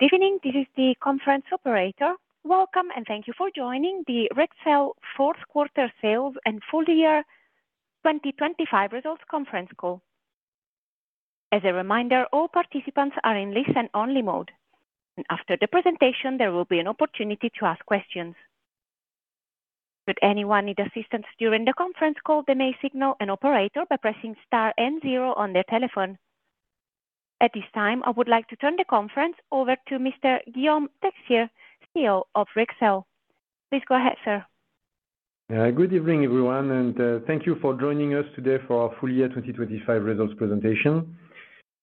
Good evening. This is the conference operator. Welcome, and thank you for joining the Rexel fourth quarter sales and full year 2025 results conference call. As a reminder, all participants are in listen-only mode, and after the presentation, there will be an opportunity to ask questions. Should anyone need assistance during the conference call, they may signal an operator by pressing star and zero on their telephone. At this time, I would like to turn the conference over to Mr. Guillaume Texier, CEO of Rexel. Please go ahead, sir. Good evening, everyone, and thank you for joining us today for our full year 2025 results presentation.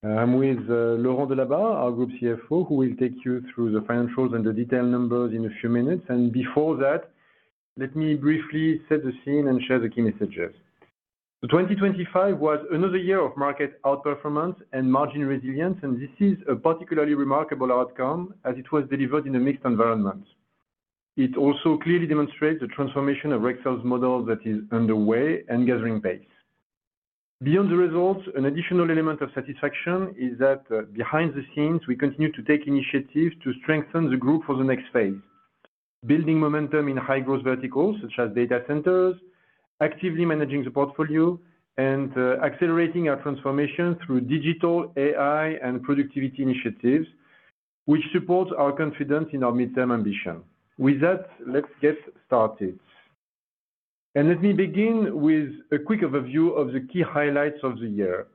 I'm with Laurent Delabarre, our Group CFO, who will take you through the financials and the detailed numbers in a few minutes. And before that, let me briefly set the scene and share the key messages. So 2025 was another year of market outperformance and margin resilience, and this is a particularly remarkable outcome as it was delivered in a mixed environment. It also clearly demonstrates the transformation of Rexel's model that is underway and gathering pace. Beyond the results, an additional element of satisfaction is that behind the scenes, we continue to take initiatives to strengthen the group for the next phase. Building momentum in high-growth verticals, such as data centers, actively managing the portfolio, and accelerating our transformation through digital, AI, and productivity initiatives, which supports our confidence in our midterm ambition. With that, let's get started. Let me begin with a quick overview of the key highlights of the year.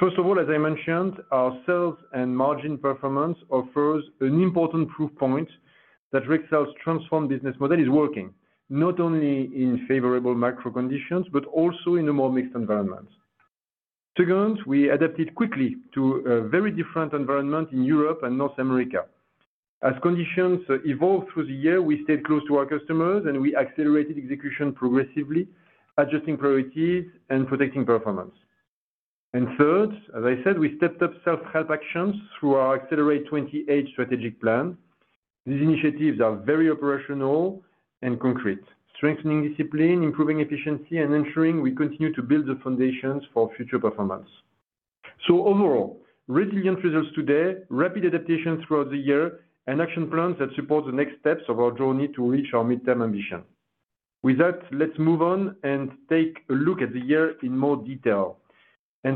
First of all, as I mentioned, our sales and margin performance offers an important proof point that Rexel's transformed business model is working, not only in favorable macro conditions, but also in a more mixed environment. Second, we adapted quickly to a very different environment in Europe and North America. As conditions evolved through the year, we stayed close to our customers, and we accelerated execution progressively, adjusting priorities and protecting performance. Third, as I said, we stepped up self-help actions through our Axelerate 2028 strategic plan. These initiatives are very operational and concrete, strengthening discipline, improving efficiency, and ensuring we continue to build the foundations for future performance. So overall, resilient results today, rapid adaptation throughout the year, and action plans that support the next steps of our journey to reach our midterm ambition. With that, let's move on and take a look at the year in more detail.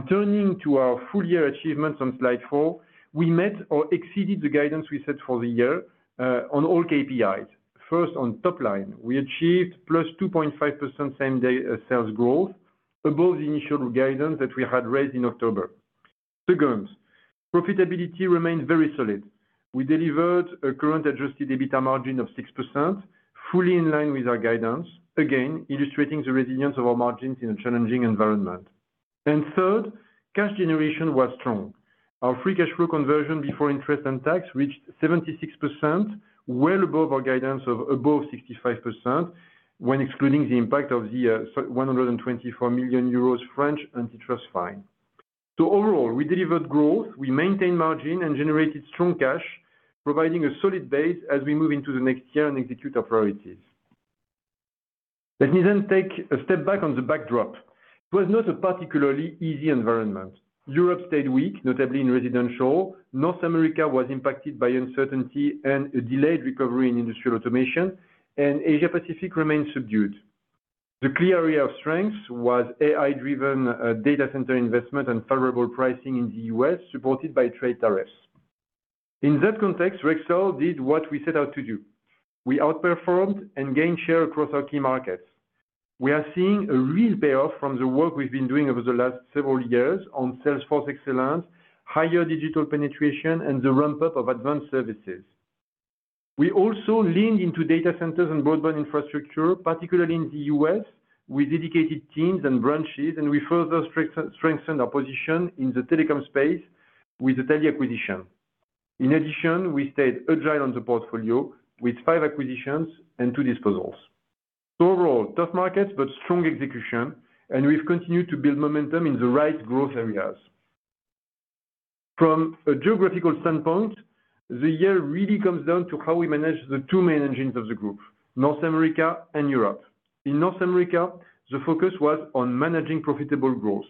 Turning to our full year achievements on slide 4, we met or exceeded the guidance we set for the year on all KPIs. First, on top line, we achieved +2.5% same-day sales growth above the initial guidance that we had raised in October. Second, profitability remained very solid. We delivered a current adjusted EBITDA margin of 6%, fully in line with our guidance, again, illustrating the resilience of our margins in a challenging environment. And third, cash generation was strong. Our free cash flow conversion before interest and tax reached 76%, well above our guidance of above 65%, when excluding the impact of the 124 million euros French antitrust fine. So overall, we delivered growth, we maintained margin, and generated strong cash, providing a solid base as we move into the next year and execute our priorities. Let me then take a step back on the backdrop. It was not a particularly easy environment. Europe stayed weak, notably in residential. North America was impacted by uncertainty and a delayed recovery in industrial automation, and Asia Pacific remained subdued. The clear area of strength was AI-driven data center investment and favorable pricing in the U.S., supported by trade tariffs. In that context, Rexel did what we set out to do. We outperformed and gained share across our key markets. We are seeing a real payoff from the work we've been doing over the last several years on sales force excellence, higher digital penetration, and the ramp-up of advanced services. We also leaned into data centers and broadband infrastructure, particularly in the U.S., with dedicated teams and branches, and we further strengthen our position in the telecom space with the Telia acquisition. In addition, we stayed agile on the portfolio with 5 acquisitions and 2 disposals. Overall, tough markets, but strong execution, and we've continued to build momentum in the right growth areas. From a geographical standpoint, the year really comes down to how we manage the two main engines of the group, North America and Europe. In North America, the focus was on managing profitable growth.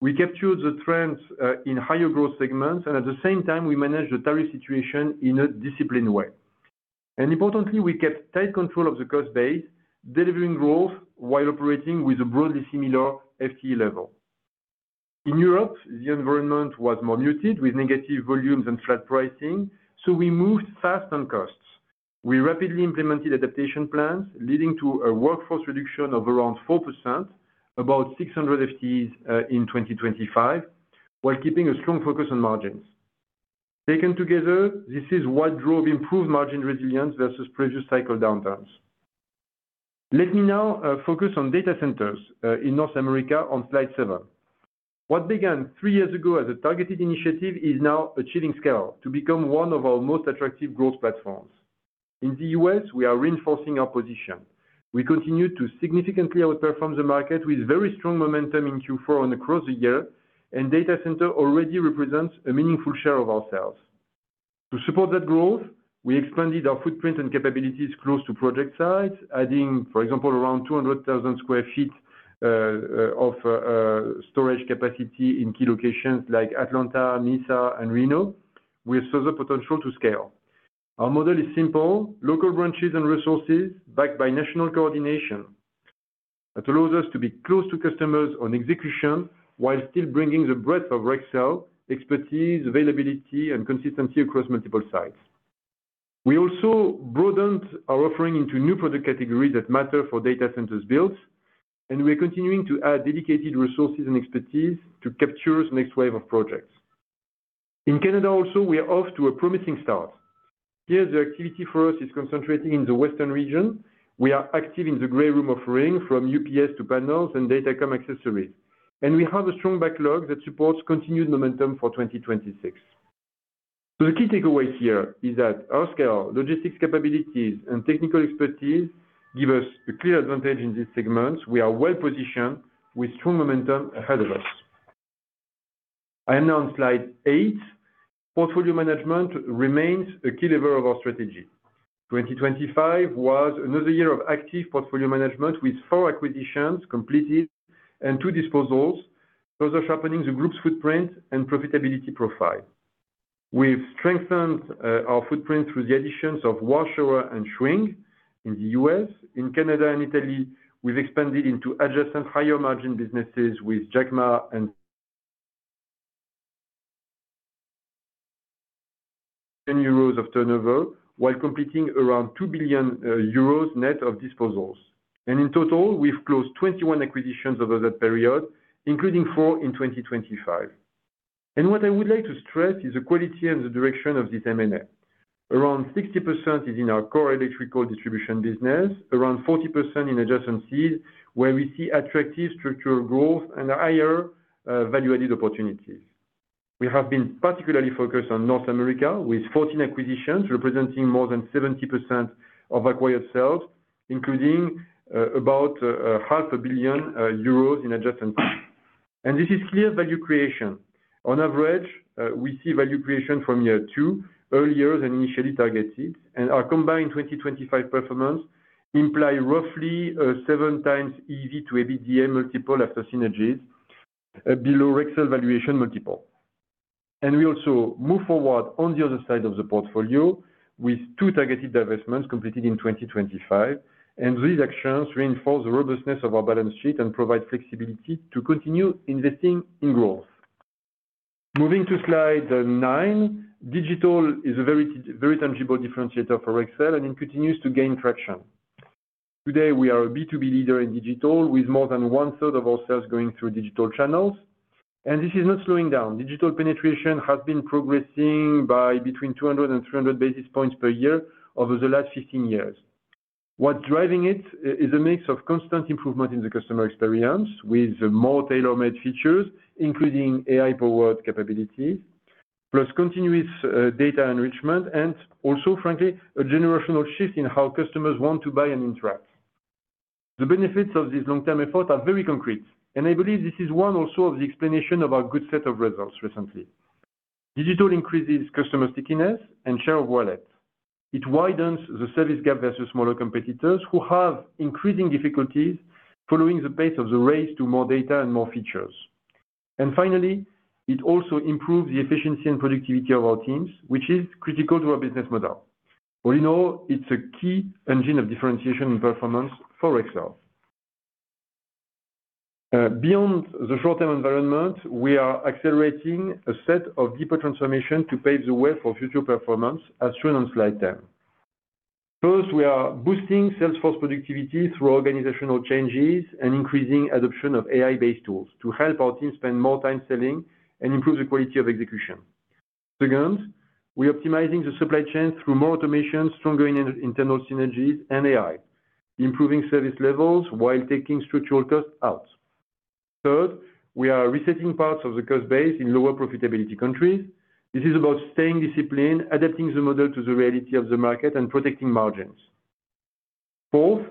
We captured the trends in higher growth segments, and at the same time, we managed the tariff situation in a disciplined way. Importantly, we kept tight control of the cost base, delivering growth while operating with a broadly similar FTE level. In Europe, the environment was more muted, with negative volumes and flat pricing, so we moved fast on costs. We rapidly implemented adaptation plans, leading to a workforce reduction of around 4%, about 600 FTEs, in 2025, while keeping a strong focus on margins. Taken together, this is what drove improved margin resilience versus previous cycle downturns. Let me now focus on data centers in North America on slide 7. What began three years ago as a targeted initiative is now achieving scale to become one of our most attractive growth platforms. In the U.S., we are reinforcing our position. We continue to significantly outperform the market with very strong momentum in Q4 and across the year, and data center already represents a meaningful share of our sales. To support that growth, we expanded our footprint and capabilities close to project sites, adding, for example, around 200,000 sq ft of storage capacity in key locations like Atlanta, Napa, and Reno, with further potential to scale. Our model is simple: local branches and resources backed by national coordination. That allows us to be close to customers on execution, while still bringing the breadth of Rexel, expertise, availability, and consistency across multiple sites. We also broadened our offering into new product categories that matter for data centers builds, and we are continuing to add dedicated resources and expertise to capture this next wave of projects. In Canada, also, we are off to a promising start. Here, the activity for us is concentrating in the western region. We are active in the gray room offering, from UPS to panels and datacom accessories, and we have a strong backlog that supports continued momentum for 2026. So the key takeaway here is that our scale, logistics capabilities, and technical expertise give us a clear advantage in this segment. We are well positioned with strong momentum ahead of us. And now on slide 8, portfolio management remains a key lever of our strategy. 2025 was another year of active portfolio management, with 4 acquisitions completed and 2 disposals, further sharpening the group's footprint and profitability profile. We've strengthened our footprint through the additions of Warshauer and Schwing in the U.S. In Canada and Italy, we've expanded into adjacent higher margin businesses with Jacmar and euros of turnover, while completing around 2 billion euros net of disposals. In total, we've closed 21 acquisitions over that period, including 4 in 2025. And what I would like to stress is the quality and the direction of this M&A. Around 60% is in our core electrical distribution business, around 40% in adjacencies, where we see attractive structural growth and higher value-added opportunities. We have been particularly focused on North America, with 14 acquisitions representing more than 70% of acquired sales, including about 500 million euros in adjacent. And this is clear value creation. On average, we see value creation from year two, earlier than initially targeted, and our combined 2025 performance imply roughly 7x EV to EBITDA multiple after synergies, below Rexel valuation multiple. And we also move forward on the other side of the portfolio with two targeted divestments completed in 2025, and these actions reinforce the robustness of our balance sheet and provide flexibility to continue investing in growth. Moving to slide 9, digital is a very, very tangible differentiator for Rexel, and it continues to gain traction. Today, we are a B2B leader in digital, with more than one-third of our sales going through digital channels, and this is not slowing down. Digital penetration has been progressing by between 200 and 300 basis points per year over the last 15 years. What's driving it is a mix of constant improvement in the customer experience, with more tailor-made features, including AI-powered capabilities, plus continuous, data enrichment, and also, frankly, a generational shift in how customers want to buy and interact. The benefits of this long-term effort are very concrete, and I believe this is one also of the explanation of our good set of results recently. Digital increases customer stickiness and share of wallet. It widens the service gap versus smaller competitors, who have increasing difficulties following the pace of the race to more data and more features. And finally, it also improves the efficiency and productivity of our teams, which is critical to our business model. All in all, it's a key engine of differentiation and performance for Rexel. Beyond the short-term environment, we are accelerating a set of deeper transformation to pave the way for future performance, as shown on slide 10. First, we are boosting sales force productivity through organizational changes and increasing adoption of AI-based tools to help our team spend more time selling and improve the quality of execution. Second, we're optimizing the supply chain through more automation, stronger internal synergies, and AI, improving service levels while taking structural costs out. Third, we are resetting parts of the cost base in lower profitability countries. This is about staying disciplined, adapting the model to the reality of the market, and protecting margins. Fourth,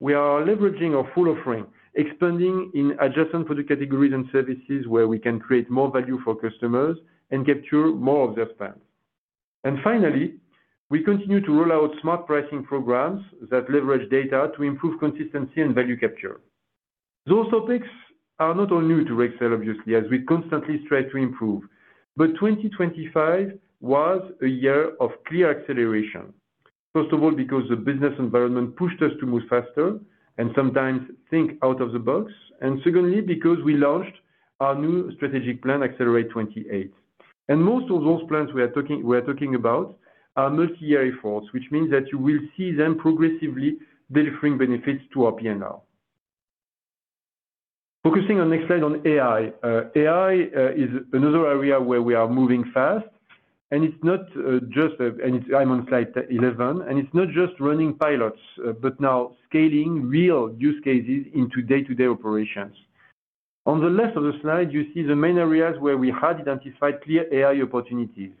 we are leveraging our full offering, expanding in adjacent product categories and services where we can create more value for customers and capture more of their spend. And finally, we continue to roll out smart pricing programs that leverage data to improve consistency and value capture. Those topics are not all new to Rexel, obviously, as we constantly strive to improve. But 2025 was a year of clear acceleration. First of all, because the business environment pushed us to move faster and sometimes think out of the box, and secondly, because we launched our new strategic plan, Axelerate 2028. And most of those plans we are talking about are multi-year efforts, which means that you will see them progressively delivering benefits to our P&L. Focusing on next slide on AI. AI is another area where we are moving fast, and it's not just... And I'm on slide 11, and it's not just running pilots, but now scaling real use cases into day-to-day operations. On the left of the slide, you see the main areas where we had identified clear AI opportunities: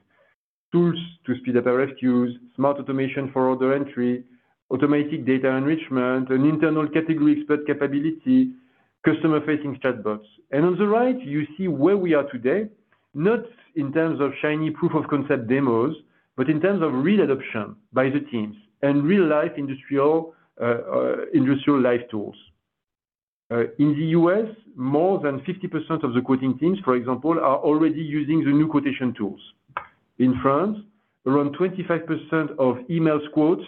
tools to speed up RFQs, smart automation for order entry, automatic data enrichment, an internal category expert capability.... customer-facing chatbots. And on the right, you see where we are today, not in terms of shiny proof of concept demos, but in terms of real adoption by the teams and real-life industrial life tools. In the U.S., more than 50% of the quoting teams, for example, are already using the new quotation tools. In France, around 25% of email quotes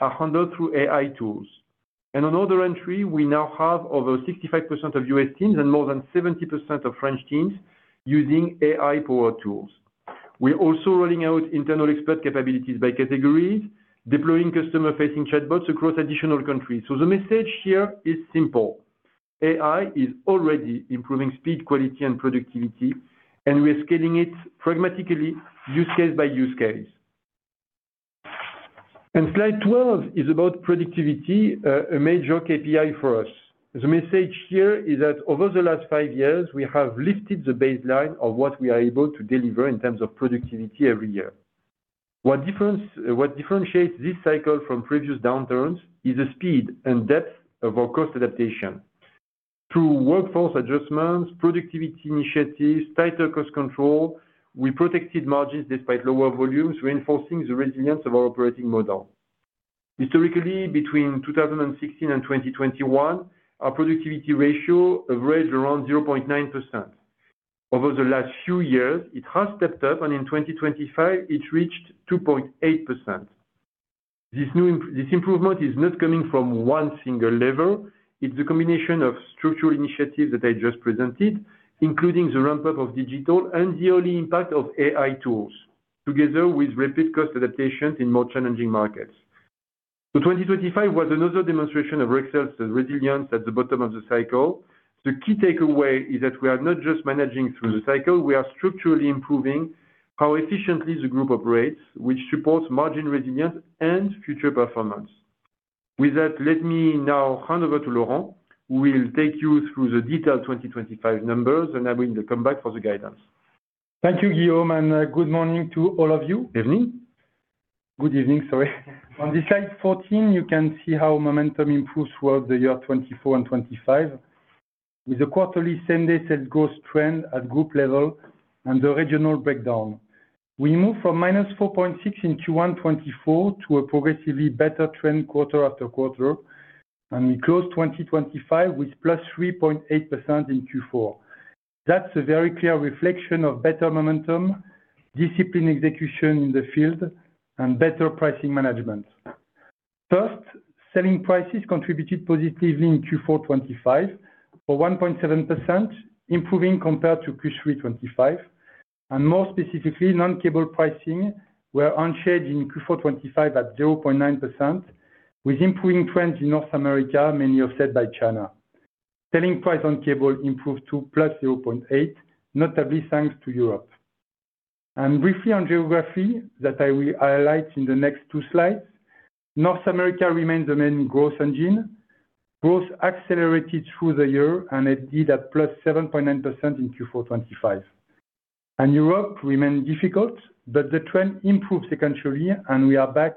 are handled through AI tools. And on order entry, we now have over 65% of U.S. teams and more than 70% of French teams using AI power tools. We're also rolling out internal expert capabilities by category, deploying customer-facing chatbots across additional countries. So the message here is simple: AI is already improving speed, quality, and productivity, and we are scaling it pragmatically, use case by use case. Slide 12 is about productivity, a major KPI for us. The message here is that over the last five years, we have lifted the baseline of what we are able to deliver in terms of productivity every year. What differentiates this cycle from previous downturns is the speed and depth of our cost adaptation. Through workforce adjustments, productivity initiatives, tighter cost control, we protected margins despite lower volumes, reinforcing the resilience of our operating model. Historically, between 2016 and 2021, our productivity ratio averaged around 0.9%. Over the last few years, it has stepped up, and in 2025, it reached 2.8%. This new improvement is not coming from one single level. It's a combination of structural initiatives that I just presented, including the ramp-up of digital and the early impact of AI tools, together with rapid cost adaptations in more challenging markets. 2025 was another demonstration of Rexel's resilience at the bottom of the cycle. The key takeaway is that we are not just managing through the cycle, we are structurally improving how efficiently the group operates, which supports margin resilience and future performance. With that, let me now hand over to Laurent, who will take you through the detailed 2025 numbers, and I will then come back for the guidance. Thank you, Guillaume, and good morning to all of you. Evening. Good evening, sorry. On the slide 14, you can see how momentum improved throughout the year 2024 and 2025, with the quarterly same-day sales growth trend at group level and the regional breakdown. We moved from -4.6 in Q1 2024 to a progressively better trend quarter after quarter, and we closed 2025 with +3.8% in Q4. That's a very clear reflection of better momentum, disciplined execution in the field, and better pricing management. First, selling prices contributed positively in Q4 2025 for 1.7%, improving compared to Q3 2025. And more specifically, non-cable pricing were unchanged in Q4 2025 at 0.9%, with improving trends in North America, mainly offset by China. Selling price on cable improved to +0.8, notably thanks to Europe. Briefly on geography, that I will highlight in the next two slides, North America remains the main growth engine. Growth accelerated through the year, and it did at +7.9% in Q4 2025. Europe remained difficult, but the trend improved sequentially, and we are back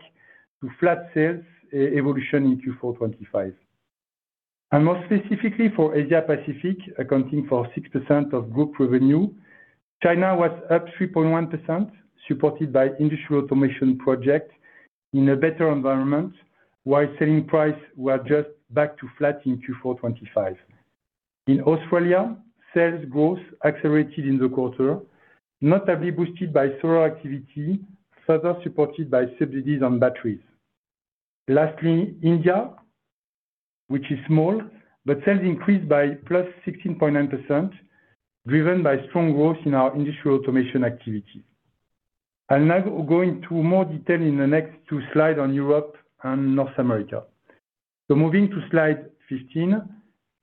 to flat sales evolution in Q4 2025. More specifically for Asia Pacific, accounting for 6% of group revenue, China was up 3.1%, supported by industrial automation project in a better environment, while selling price were just back to flat in Q4 2025. In Australia, sales growth accelerated in the quarter, notably boosted by solar activity, further supported by subsidies on batteries. Lastly, India, which is small, but sales increased by +16.9%, driven by strong growth in our industrial automation activity. I'll now go into more detail in the next two slides on Europe and North America. So moving to slide 15,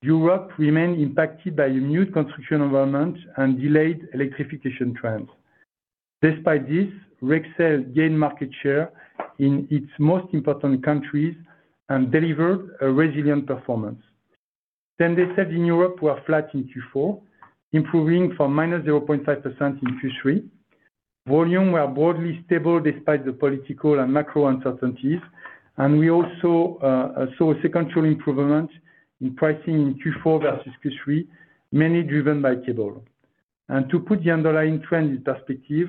Europe remained impacted by a new construction environment and delayed electrification trends. Despite this, Rexel gained market share in its most important countries and delivered a resilient performance. Same-day sales in Europe were flat in Q4, improving from -0.5% in Q3. Volumes were broadly stable despite the political and macro uncertainties, and we also saw a sequential improvement in pricing in Q4 versus Q3, mainly driven by cable. And to put the underlying trend in perspective,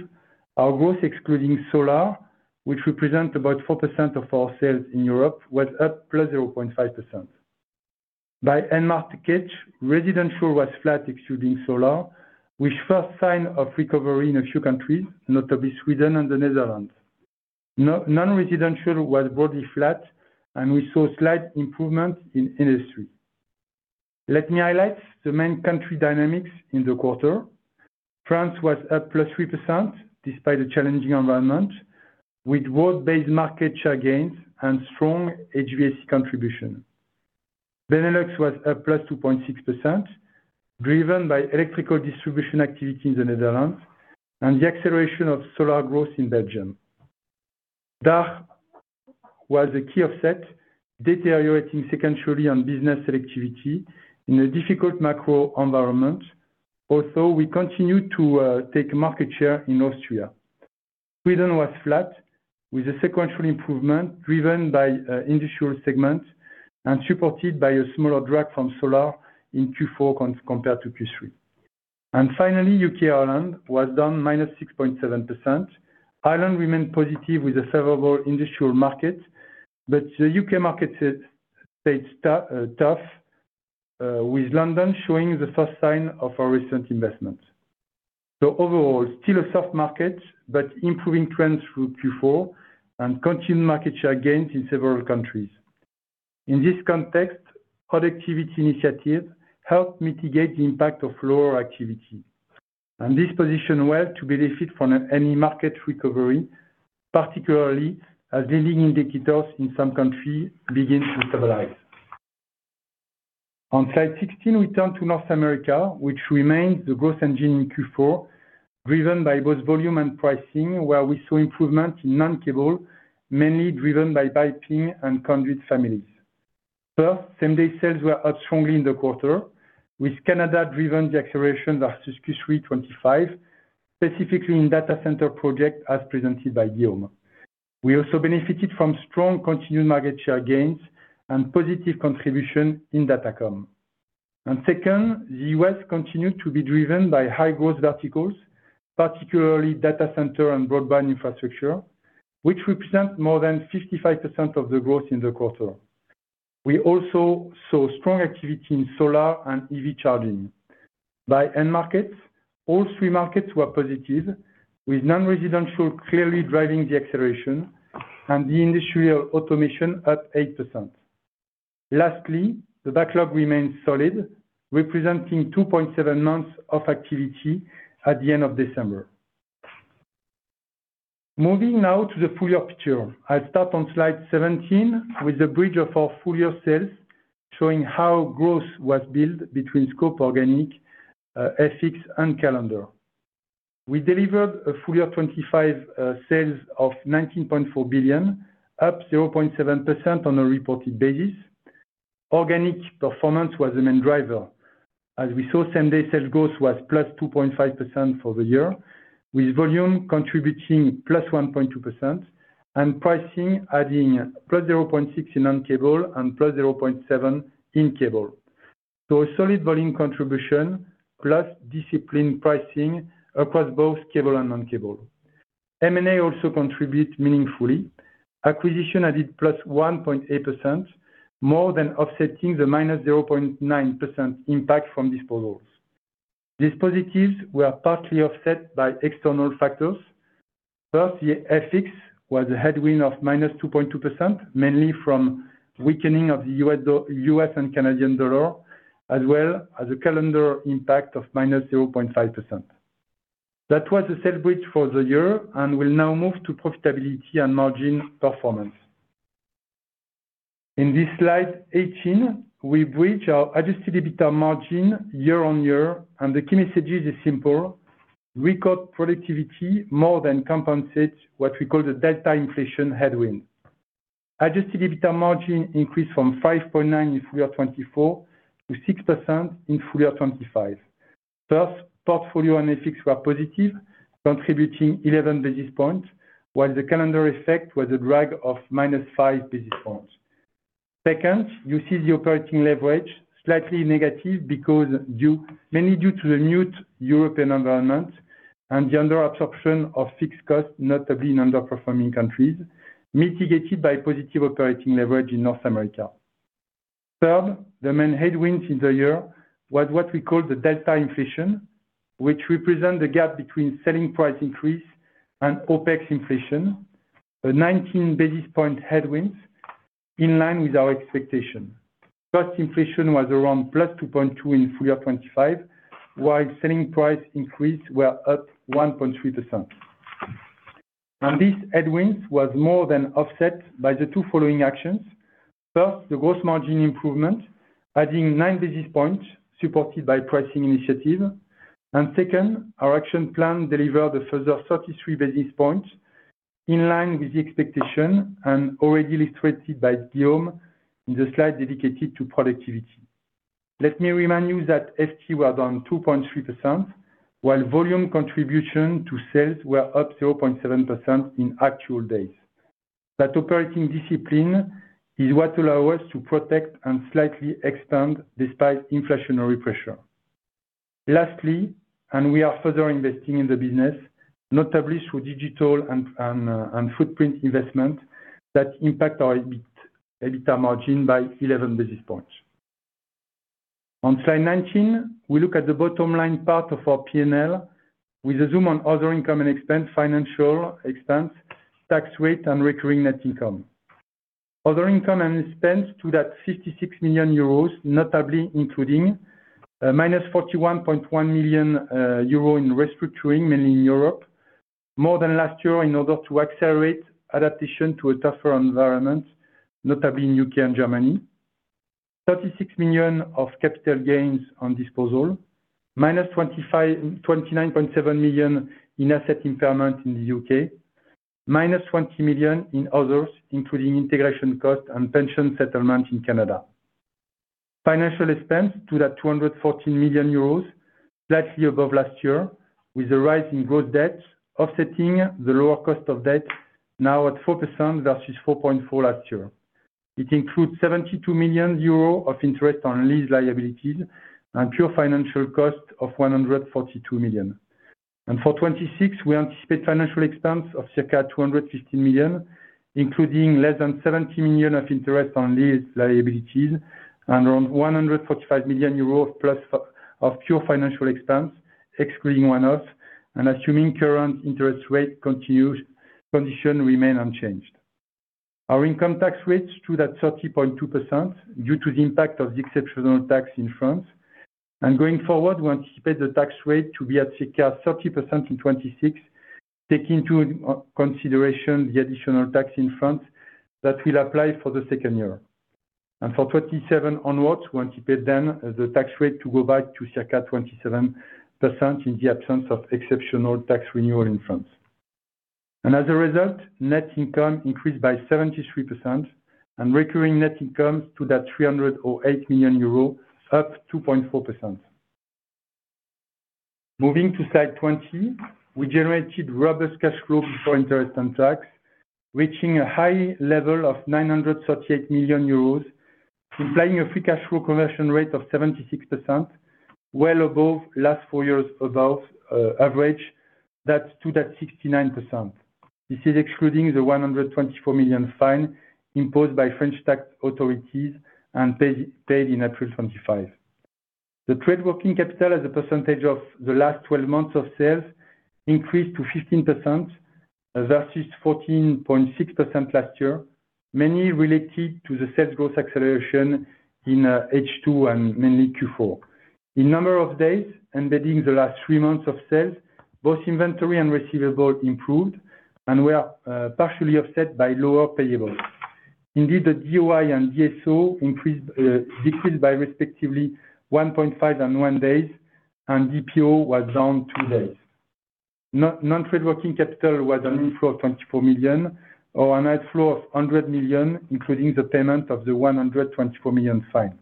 our growth excluding solar, which represents about 4% of our sales in Europe, was up +0.5%. By end-market category, residential was flat, excluding solar, with first signs of recovery in a few countries, notably Sweden and the Netherlands. Non-residential was broadly flat, and we saw slight improvement in industry. Let me highlight the main country dynamics in the quarter. France was up +3%, despite a challenging environment, with world-based market share gains and strong HVAC contribution. Benelux was up +2.6%, driven by electrical distribution activity in the Netherlands and the acceleration of solar growth in Belgium. That was a key offset, deteriorating sequentially on business selectivity in a difficult macro environment. Also, we continue to take market share in Austria. Sweden was flat, with a sequential improvement driven by industrial segment and supported by a smaller drag from solar in Q4 compared to Q3. And finally, U.K., Ireland was down -6.7%. Ireland remained positive with a favorable industrial market, but the U.K. market stayed tough, with London showing the first sign of our recent investment. So overall, still a soft market, but improving trends through Q4 and continued market share gains in several countries. In this context, productivity initiative helped mitigate the impact of lower activity, and this position well to benefit from any market recovery, particularly as leading indicators in some countries begin to stabilize. On slide 16, we turn to North America, which remains the growth engine in Q4, driven by both volume and pricing, where we saw improvement in non-cable, mainly driven by piping and conduit families. First, same-day sales were up strongly in the quarter, with Canada driven the acceleration of Q3 2025, specifically in data center project, as presented by Guillaume. We also benefited from strong continued market share gains and positive contribution in datacom. And second, the U.S. continued to be driven by high growth verticals, particularly data center and broadband infrastructure, which represent more than 55% of the growth in the quarter. We also saw strong activity in solar and EV charging. By end markets, all three markets were positive, with non-residential clearly driving the acceleration and the industrial automation up 8%. Lastly, the backlog remains solid, representing 2.7 months of activity at the end of December. Moving now to the full year picture. I'll start on slide 17 with the bridge of our full year sales, showing how growth was built between scope organic, FX and calendar. We delivered a full year 2025 sales of 19.4 billion, up 0.7% on a reported basis. Organic performance was the main driver. As we saw, same-day sales growth was +2.5% for the year, with volume contributing +1.2% and pricing adding +0.6 in non-cable and +0.7 in cable. So a solid volume contribution, plus disciplined pricing across both cable and non-cable. M&A also contribute meaningfully. Acquisition added +1.8%, more than offsetting the -0.9% impact from disposals. These positives were partly offset by external factors. First, the FX was a headwind of -2.2%, mainly from weakening of the U.S. dollar and Canadian dollar, as well as a calendar impact of -0.5%. That was a sales bridge for the year, and we'll now move to profitability and margin performance. In this slide 18, we bridge our adjusted EBITDA margin year on year, and the key message is simple: recovery productivity more than compensates what we call the delta inflation headwind. Adjusted EBITDA margin increased from 5.9% in full year 2024 to 6% in full year 2025. First, portfolio and FX were positive, contributing 11 basis points, while the calendar effect was a drag of -5 basis points. Second, you see the operating leverage slightly negative because due mainly to the new European environment and the under absorption of fixed costs, notably in underperforming countries, mitigated by positive operating leverage in North America. Third, the main headwinds in the year was what we call the delta inflation, which represent the gap between selling price increase and OpEx inflation, a 19 basis point headwinds, in line with our expectation. Cost inflation was around +2.2 in full year 2025, while selling price increase were up 1.3%. This headwinds was more than offset by the two following actions. First, the gross margin improvement, adding 9 basis points, supported by pricing initiative. And second, our action plan delivered a further 33 basis points, in line with the expectation and already illustrated by Guillaume in the slide dedicated to productivity. Let me remind you that FTE were down 2.3%, while volume contribution to sales were up 0.7% in actual days. That operating discipline is what allow us to protect and slightly expand despite inflationary pressure. Lastly, we are further investing in the business, notably through digital and footprint investment that impact our EBITDA margin by 11 basis points. On slide 19, we look at the bottom line part of our P&L with a zoom on other income and expense, financial expense, tax rate, and recurring net income. Other income and expense to that 56 million euros, notably including, minus 41.1 million euro in restructuring, mainly in Europe, more than last year in order to accelerate adaptation to a tougher environment, notably in U.K. and Germany. 36 million of capital gains on disposal, -29.7 million in asset impairment in the U.K., -20 million in others, including integration costs and pension settlement in Canada. Financial expense stood at 214 million euros, slightly above last year, with a rise in gross debt offsetting the lower cost of debt, now at 4% versus 4.4% last year. It includes 72 million euro of interest on lease liabilities and pure financial cost of 142 million. For 2026, we anticipate financial expense of circa 215 million, including less than 70 million of interest on lease liabilities and around 145 million euro plus of pure financial expense, excluding one-off, and assuming current interest rate continues, conditions remain unchanged. Our income tax rates stood at 30.2% due to the impact of the exceptional tax in France. Going forward, we anticipate the tax rate to be at circa 30% in 2026, taking into consideration the additional tax in France that will apply for the second year. For 2027 onwards, we anticipate then the tax rate to go back to circa 27% in the absence of exceptional tax renewal in France. As a result, net income increased by 73% and recurring net income stood at 308 million euros, up 2.4%. Moving to slide 20, we generated robust cash flow before interest and tax, reaching a high level of 938 million euros, implying a free cash flow conversion rate of 76%, well above last 4 years above average. That's stood at 69%. This is excluding the 124 million fine imposed by French tax authorities and paid, paid in April 2025. The trade working capital as a percentage of the last 12 months of sales increased to 15% versus 14.6% last year, mainly related to the sales growth acceleration in H2 and mainly Q4. In number of days, embedding the last three months of sales, both inventory and receivable improved and were partially offset by lower payables. Indeed, the DOI and DSO increased, decreased by respectively 1.5 and 1 days, and DPO was down 2 days. Non-trade working capital was an inflow of 24 million or an outflow of 100 million, including the payment of the 124 million fine.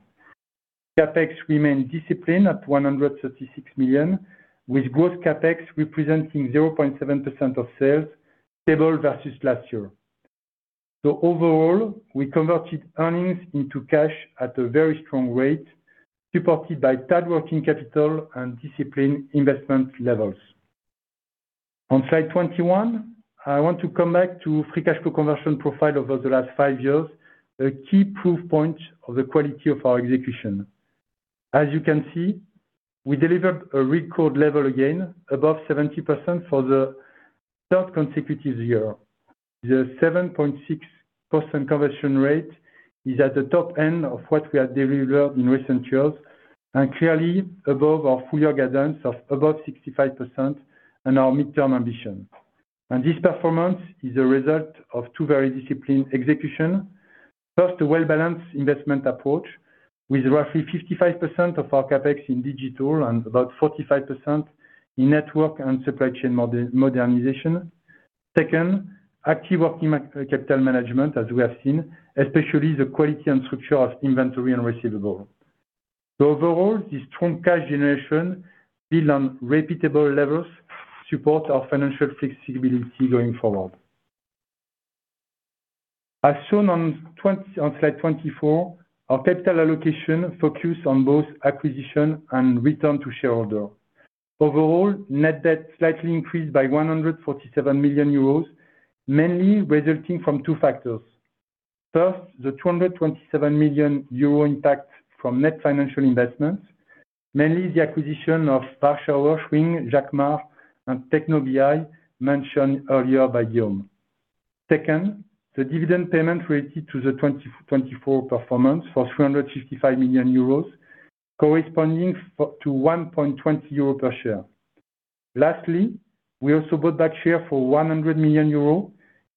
CapEx remained disciplined at 136 million, with gross CapEx representing 0.7% of sales, stable versus last year. So overall, we converted earnings into cash at a very strong rate, supported by tight working capital and disciplined investment levels. On slide 21, I want to come back to free cash flow conversion profile over the last 5 years, a key proof point of the quality of our execution. As you can see, we delivered a record level again, above 70% for the third consecutive year. The 7.6% conversion rate is at the top end of what we have delivered in recent years, and clearly above our full year guidance of above 65% and our midterm ambition. This performance is a result of two very disciplined execution. First, a well-balanced investment approach, with roughly 55% of our CapEx in digital and about 45% in network and supply chain modernization. Second, active working capital management, as we have seen, especially the quality and structure of inventory and receivable. So overall, this strong cash generation build on repeatable levels support our financial flexibility going forward. As shown on slide 24, our capital allocation focused on both acquisition and return to shareholder. Overall, net debt slightly increased by 147 million euros, mainly resulting from two factors. First, the 227 million euro impact from net financial investments, mainly the acquisition of Warshauer, Jacmar, and Tecno Bi, mentioned earlier by Guillaume. Second, the dividend payment related to the 2024 performance for 355 million euros, corresponding to 1.20 euro per share. Lastly, we also bought back share for 100 million euros,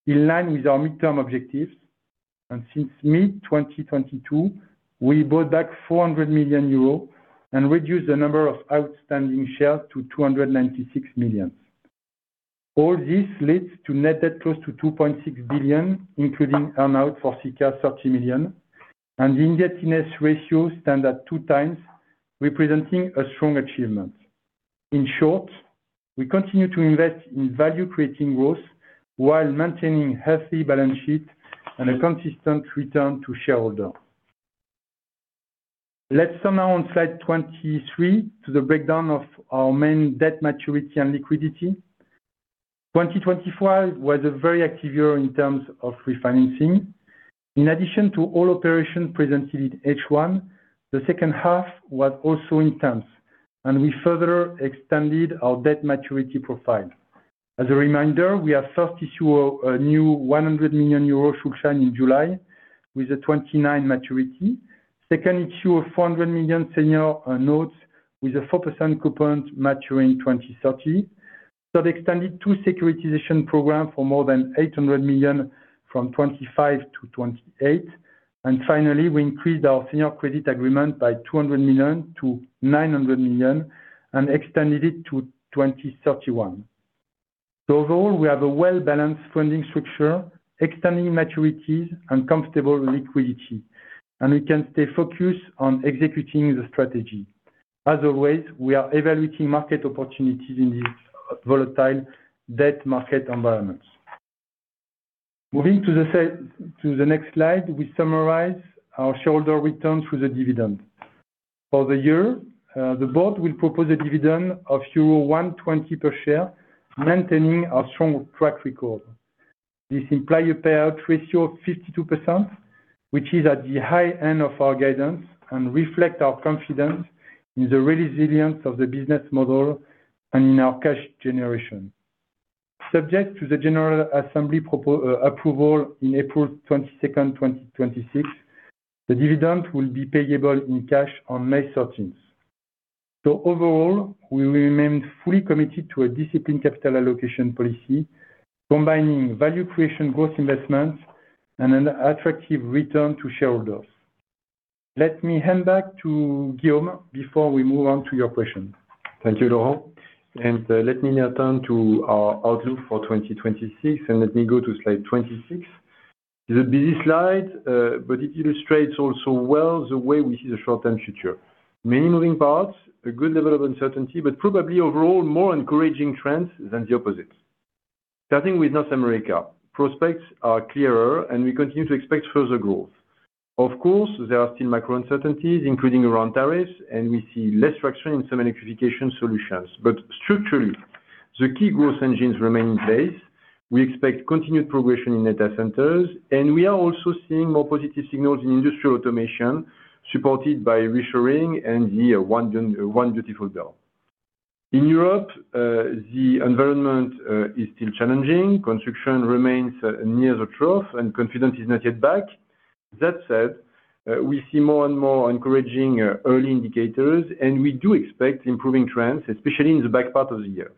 in line with our midterm objectives, and since mid-2022, we bought back 400 million euros and reduced the number of outstanding shares to 296 million. All this leads to net debt close to 2.6 billion, including earn-out for circa 30 million, and the indebtedness ratio stand at 2x, representing a strong achievement. In short, we continue to invest in value-creating growth while maintaining healthy balance sheet and a consistent return to shareholder. Let's turn now on slide 23 to the breakdown of our main debt maturity and liquidity. 2025 was a very active year in terms of refinancing. In addition to all operations presented in H1, the second half was also intense, and we further extended our debt maturity profile. As a reminder, we have first issued a new 100 million euro Schuldschein in July with a 2029 maturity. Second, issued 400 million senior notes with a 4% coupon maturing in 2030. So they extended two securitization program for more than 800 million from 2025 to 2028. And finally, we increased our senior credit agreement by 200 million to 900 million and extended it to 2031. So overall, we have a well-balanced funding structure, extending maturities and comfortable liquidity, and we can stay focused on executing the strategy. As always, we are evaluating market opportunities in this volatile debt market environment. Moving to the next slide, we summarize our shareholder returns through the dividend. For the year, the board will propose a dividend of euro 1.20 per share, maintaining our strong track record. This imply a payout ratio of 52%, which is at the high end of our guidance and reflect our confidence in the resilience of the business model and in our cash generation. Subject to the General Assembly approval in April 22, 2026, the dividend will be payable in cash on May 13. So overall, we remain fully committed to a disciplined capital allocation policy, combining value creation growth investments and an attractive return to shareholders. Let me hand back to Guillaume before we move on to your question. Thank you, Laurent, and let me now turn to our outlook for 2026, and let me go to slide 26. It's a busy slide, but it illustrates also well the way we see the short-term future. Many moving parts, a good level of uncertainty, but probably overall, more encouraging trends than the opposite. Starting with North America, prospects are clearer, and we continue to expect further growth. Of course, there are still macro uncertainties, including around tariffs, and we see less traction in some electrification solutions. But structurally, the key growth engines remain in place. We expect continued progression in data centers, and we are also seeing more positive signals in industrial automation, supported by reshoring and the one digital door. In Europe, the environment is still challenging. Construction remains near the trough and confidence is not yet back. That said, we see more and more encouraging early indicators, and we do expect improving trends, especially in the back part of the year.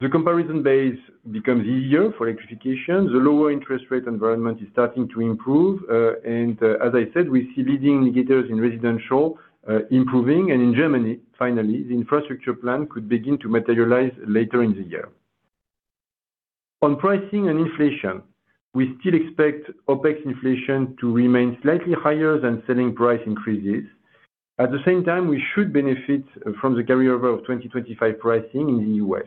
The comparison base becomes easier for electrification. The lower interest rate environment is starting to improve, and, as I said, we see leading indicators in residential improving. In Germany, finally, the infrastructure plan could begin to materialize later in the year. On pricing and inflation, we still expect OpEx inflation to remain slightly higher than selling price increases. At the same time, we should benefit from the carryover of 2025 pricing in the U.S.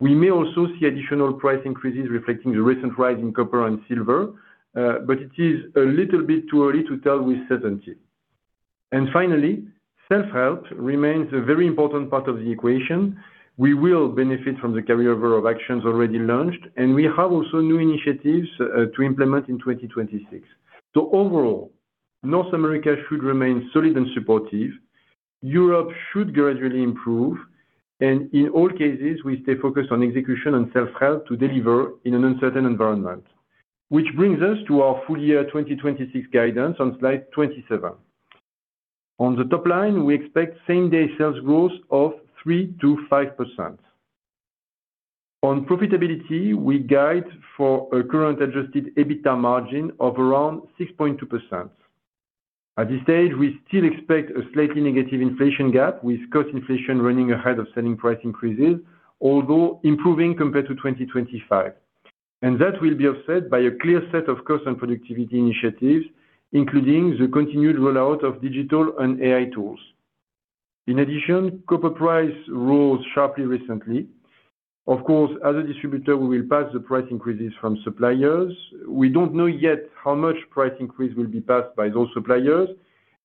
We may also see additional price increases reflecting the recent rise in copper and silver, but it is a little bit too early to tell with certainty. Finally, self-help remains a very important part of the equation. We will benefit from the carryover of actions already launched, and we have also new initiatives to implement in 2026. So overall, North America should remain solid and supportive, Europe should gradually improve, and in all cases, we stay focused on execution and self-help to deliver in an uncertain environment. Which brings us to our full year 2026 guidance on slide 27. On the top line, we expect same-day sales growth of 3%-5%. On profitability, we guide for a current Aadjusted EBITDA margin of around 6.2%. At this stage, we still expect a slightly negative inflation gap, with cost inflation running ahead of selling price increases, although improving compared to 2025. And that will be offset by a clear set of cost and productivity initiatives, including the continued rollout of digital and AI tools. In addition, copper price rose sharply recently. Of course, as a distributor, we will pass the price increases from suppliers. We don't know yet how much price increase will be passed by those suppliers,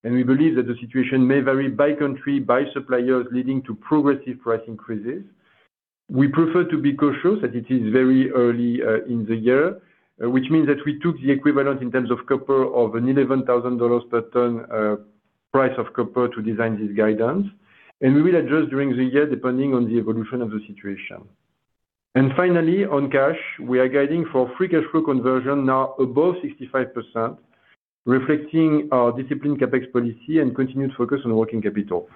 and we believe that the situation may vary by country, by suppliers, leading to progressive price increases. We prefer to be cautious, as it is very early, in the year, which means that we took the equivalent in terms of copper of an $11,000 per ton price of copper to design this guidance, and we will adjust during the year, depending on the evolution of the situation. And finally, on cash, we are guiding for free cash flow conversion now above 65%, reflecting our disciplined CapEx policy and continued focus on working capital.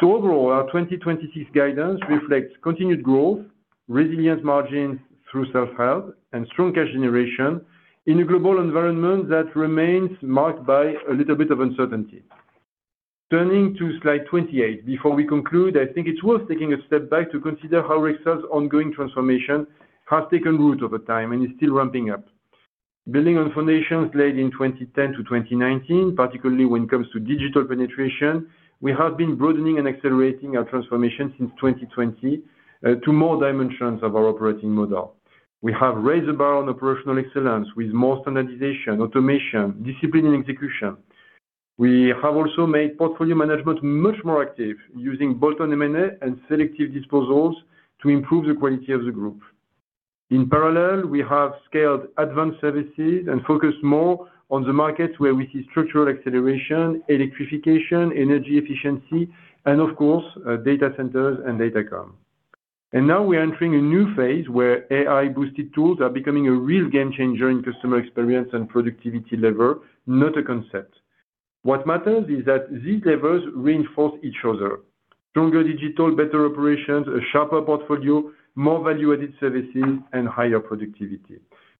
So overall, our 2026 guidance reflects continued growth, resilient margins through self-help, and strong cash generation in a global environment that remains marked by a little bit of uncertainty. Turning to slide 28, before we conclude, I think it's worth taking a step back to consider how Rexel's ongoing transformation has taken root over time and is still ramping up. Building on foundations laid in 2010 to 2019, particularly when it comes to digital penetration, we have been broadening and accelerating our transformation since 2020 to more dimensions of our operating model. We have raised the bar on operational excellence with more standardization, automation, discipline, and execution. We have also made portfolio management much more active, using bolt-on M&A and selective disposals to improve the quality of the group. In parallel, we have scaled advanced services and focused more on the markets where we see structural acceleration, electrification, energy efficiency, and of course, data centers and datacom. And now we are entering a new phase where AI-boosted tools are becoming a real game changer in customer experience and productivity level, not a concept. What matters is that these levels reinforce each other. Stronger digital, better operations, a sharper portfolio, more value-added services, and higher productivity.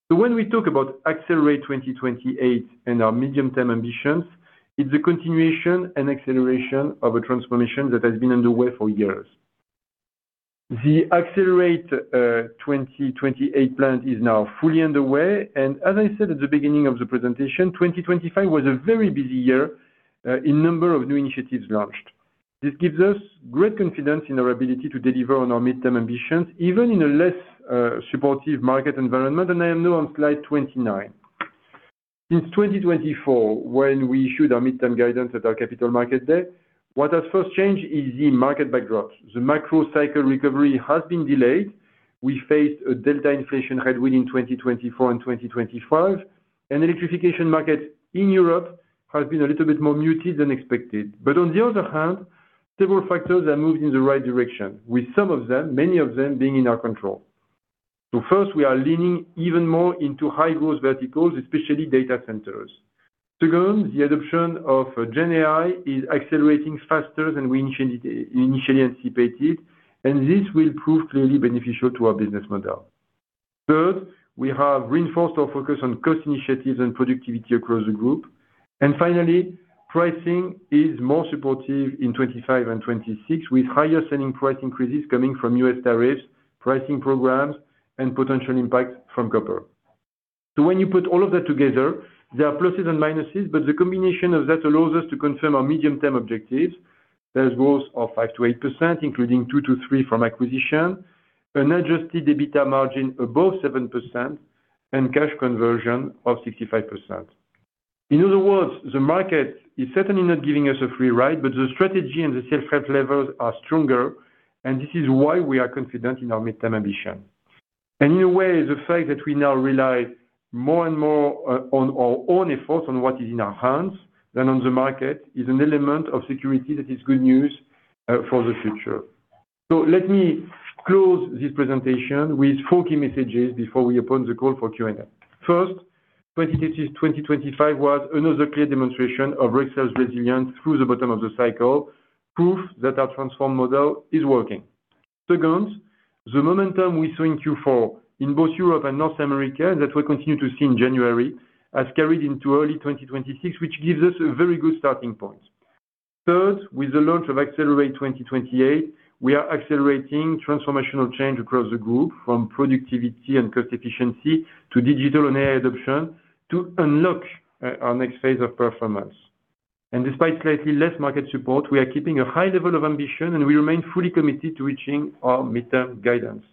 So when we talk about Axelerate 2028 and our medium-term ambitions, it's a continuation and acceleration of a transformation that has been underway for years... The Axelerate 2028 plan is now fully underway, and as I said at the beginning of the presentation, 2025 was a very busy year in number of new initiatives launched. This gives us great confidence in our ability to deliver on our midterm ambitions, even in a less supportive market environment. I am now on slide 29. Since 2024, when we issued our midterm guidance at our Capital Markets Day, what has first changed is the market backdrop. The macro cycle recovery has been delayed. We faced a delta inflation headwind in 2024 and 2025, and electrification market in Europe has been a little bit more muted than expected. But on the other hand, several factors are moved in the right direction, with some of them, many of them, being in our control. First, we are leaning even more into high growth verticals, especially data centers. Second, the adoption of GenAI is accelerating faster than we initially anticipated, and this will prove clearly beneficial to our business model. Third, we have reinforced our focus on cost initiatives and productivity across the group. And finally, pricing is more supportive in 2025 and 2026, with higher selling price increases coming from U.S. tariffs, pricing programs and potential impact from copper. So when you put all of that together, there are pluses and minuses, but the combination of that allows us to confirm our medium-term objectives. There's growth of 5%-8%, including 2-3 from acquisition, an adjusted EBITDA margin above 7% and cash conversion of 65%. In other words, the market is certainly not giving us a free ride, but the strategy and the sales rep levels are stronger, and this is why we are confident in our midterm ambition. In a way, the fact that we now rely more and more on our own efforts, on what is in our hands than on the market, is an element of security that is good news for the future. So let me close this presentation with four key messages before we open the call for Q&A. First, 2025 was another clear demonstration of Rexel's resilience through the bottom of the cycle, proof that our transform model is working. Second, the momentum we saw in Q4 in both Europe and North America, and that we continue to see in January, has carried into early 2026, which gives us a very good starting point. Third, with the launch of Axelerate 2028, we are accelerating transformational change across the group, from productivity and cost efficiency to digital and AI adoption, to unlock our next phase of performance. Despite slightly less market support, we are keeping a high level of ambition, and we remain fully committed to reaching our midterm guidance.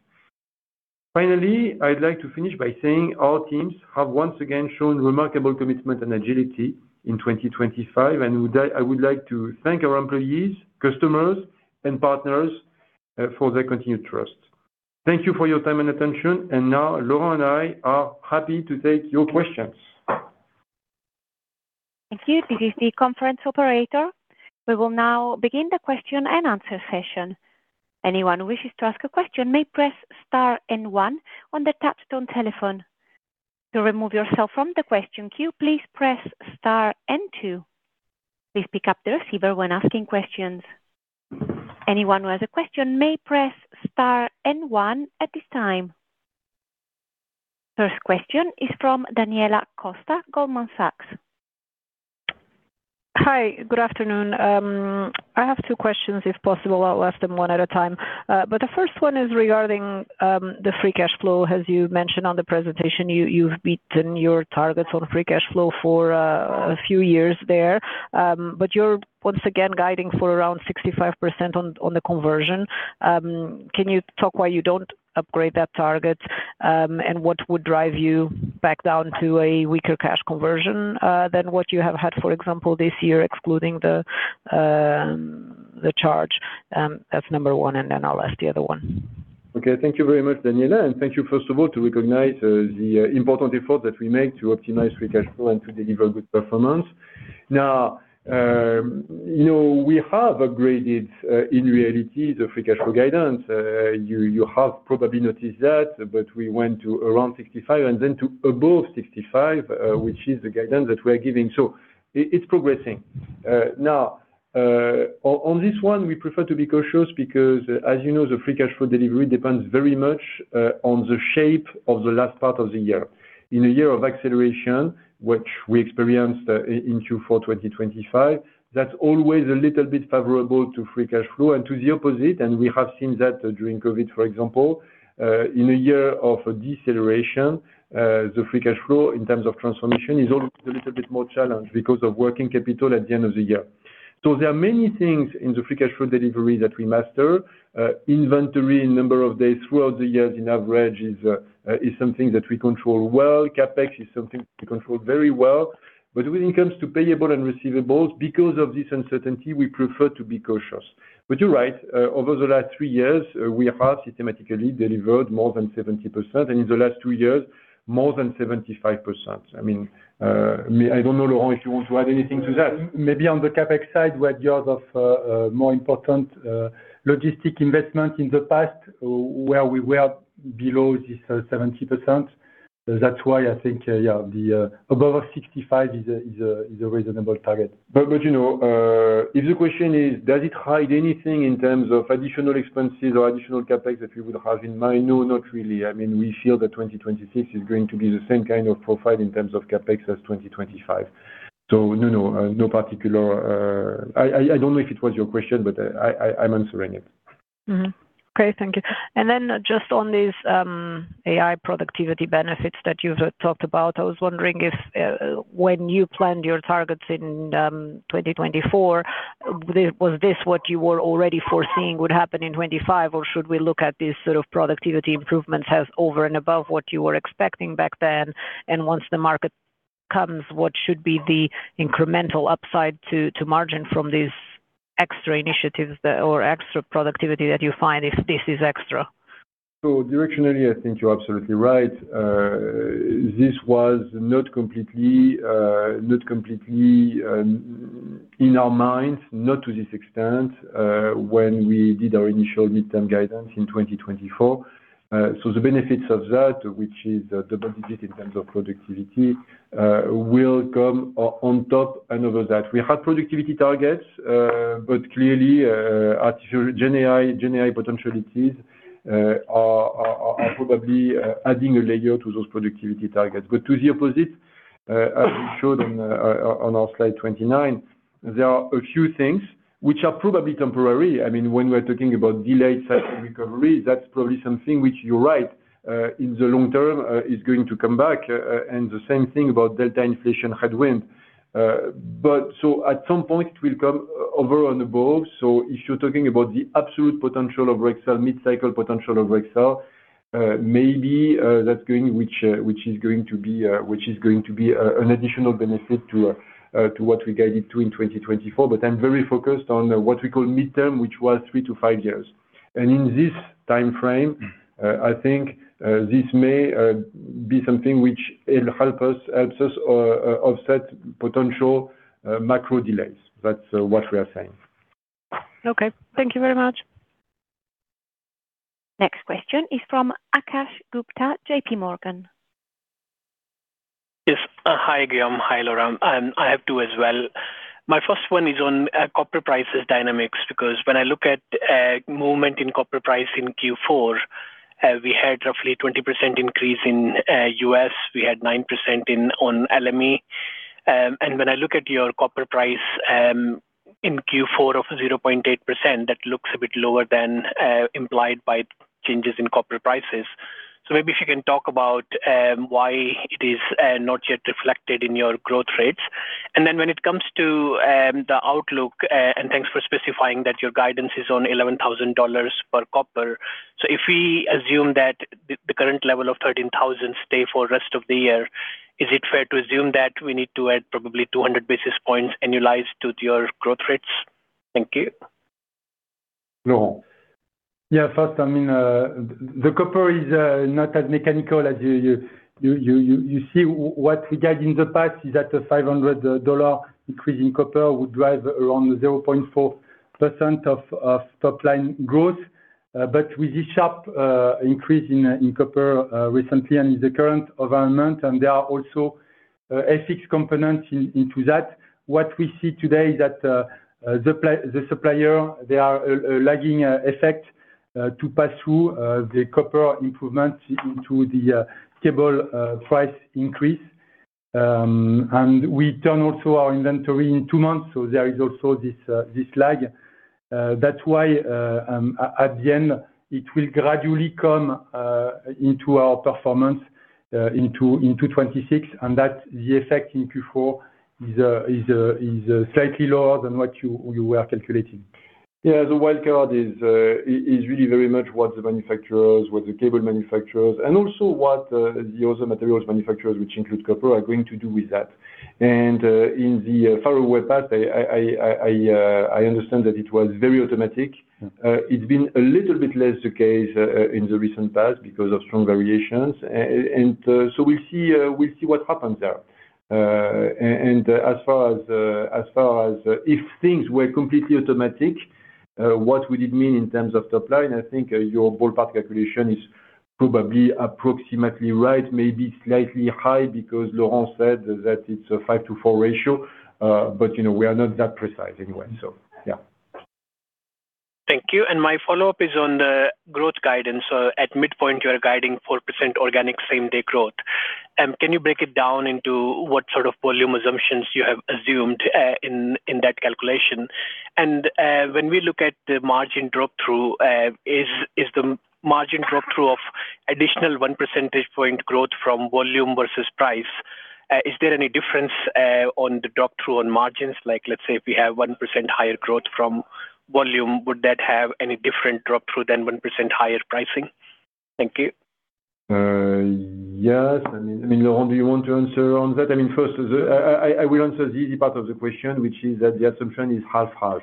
Finally, I'd like to finish by saying our teams have once again shown remarkable commitment and agility in 2025, and I would like to thank our employees, customers, and partners for their continued trust. Thank you for your time and attention. Now, Laurent and I are happy to take your questions. Thank you. This is the conference operator. We will now begin the question-and-answer session. Anyone who wishes to ask a question may press star and one on the touch-tone telephone. To remove yourself from the question queue, please press star and two. Please pick up the receiver when asking questions. Anyone who has a question may press star and one at this time. First question is from Daniela Costa, Goldman Sachs. Hi, good afternoon. I have two questions, if possible. I'll ask them one at a time. The first one is regarding the free cash flow. As you mentioned on the presentation, you, you've beaten your targets on free cash flow for a few years there. You're once again guiding for around 65% on the conversion. Can you talk why you don't upgrade that target? And what would drive you back down to a weaker cash conversion than what you have had, for example, this year, excluding the charge? That's number one, and then I'll ask the other one. Okay, thank you very much, Daniela. And thank you, first of all, to recognize the important effort that we make to optimize free cash flow and to deliver good performance. Now, you know, we have upgraded, in reality, the free cash flow guidance. You, you have probably noticed that, but we went to around 65 and then to above 65, which is the guidance that we are giving. So it, it's progressing. Now, on, on this one, we prefer to be cautious because, as you know, the free cash flow delivery depends very much, on the shape of the last part of the year. In a year of acceleration, which we experienced, in Q4 2025, that's always a little bit favorable to free cash flow and to the opposite, and we have seen that during COVID, for example. In a year of deceleration, the free cash flow in terms of transformation is always a little bit more challenged because of working capital at the end of the year. So there are many things in the free cash flow delivery that we master. Inventory, number of days throughout the years, in average, is something that we control well. CapEx is something we control very well. But when it comes to payable and receivables, because of this uncertainty, we prefer to be cautious. But you're right, over the last three years, we have systematically delivered more than 70%, and in the last two years, more than 75%. I mean, I don't know, Laurent, if you want to add anything to that. Maybe on the CapEx side, we had years of more important logistic investment in the past, where we were below this 70%. That's why I think, yeah, the above 65 is a reasonable target. But, you know, if the question is, does it hide anything in terms of additional expenses or additional CapEx that you would have in mind? No, not really. I mean, we feel that 2026 is going to be the same kind of profile in terms of CapEx as 2025.... So no, no, no particular, I don't know if it was your question, but I, I'm answering it. Mm-hmm. Okay, thank you. Then just on these AI productivity benefits that you've talked about, I was wondering if when you planned your targets in 2024, was this what you were already foreseeing would happen in 2025, or should we look at these sort of productivity improvements as over and above what you were expecting back then? And once the market comes, what should be the incremental upside to margin from these extra initiatives that or extra productivity that you find if this is extra? So directionally, I think you're absolutely right. This was not completely in our minds, not to this extent, when we did our initial midterm guidance in 2024. So the benefits of that, which is double-digit in terms of productivity, will come on top and over that. We had productivity targets, but clearly, artificial GenAI, GenAI potentialities, are probably adding a layer to those productivity targets. But to the opposite, as we showed on our slide 29, there are a few things which are probably temporary. I mean, when we are talking about delayed cycle recovery, that's probably something which you're right, in the long term, is going to come back, and the same thing about delta inflation headwind. But so at some point it will come over on the board. So if you're talking about the absolute potential of Rexel, mid-cycle potential of Rexel, maybe that's going to be an additional benefit to what we guided to in 2024. But I'm very focused on what we call midterm, which was 3-5 years. And in this time frame, I think this may be something which will help us offset potential macro delays. That's what we are saying. Okay. Thank you very much. Next question is from Akash Gupta, JP Morgan. Yes. Hi, Guillaume. Hi, Laurent. I have two as well. My first one is on copper prices dynamics, because when I look at movement in copper price in Q4, we had roughly 20% increase in U.S., we had 9% in on LME. And when I look at your copper price in Q4 of 0.8%, that looks a bit lower than implied by changes in copper prices. So maybe if you can talk about why it is not yet reflected in your growth rates. And then when it comes to the outlook, and thanks for specifying that your guidance is on $11,000 per copper. If we assume that the current level of 13,000 stay for rest of the year, is it fair to assume that we need to add probably 200 basis points annualized to your growth rates? Thank you. Laurent. Yeah, first, I mean, the copper is not as mechanical as you see. What we get in the past is that a $500 increase in copper would drive around 0.4% of top line growth. But with this sharp increase in copper recently and in the current environment, and there are also FX components into that, what we see today is that the suppliers, there are a lagging effect to pass through the copper improvements into the cable price increase. And we turn also our inventory in two months, so there is also this lag. That's why, at the end, it will gradually come into our performance into 2026, and that the effect in Q4 is slightly lower than what you were calculating. Yeah, the wild card is really very much what the manufacturers, what the cable manufacturers, and also what the other materials manufacturers, which include copper, are going to do with that. And in the faraway past, I understand that it was very automatic. It's been a little bit less the case in the recent past because of strong variations. And so we'll see, we'll see what happens there. And as far as, as far as if things were completely automatic, what would it mean in terms of top line? I think your ballpark calculation is probably approximately right, maybe slightly high, because Laurent said that it's a 5-to-4 ratio, but you know, we are not that precise anyway, so yeah. Thank you. My follow-up is on the growth guidance. At midpoint, you are guiding 4% organic same-day growth. Can you break it down into what sort of volume assumptions you have assumed in that calculation? And when we look at the margin drop-through, is the margin drop-through of additional one percentage point growth from volume versus price, is there any difference on the drop-through on margins? Like, let's say if we have 1% higher growth from volume, would that have any different drop-through than 1% higher pricing? Thank you. Yes. I mean, Laurent, do you want to answer on that? I mean, first, I will answer the easy part of the question, which is that the assumption is half, half.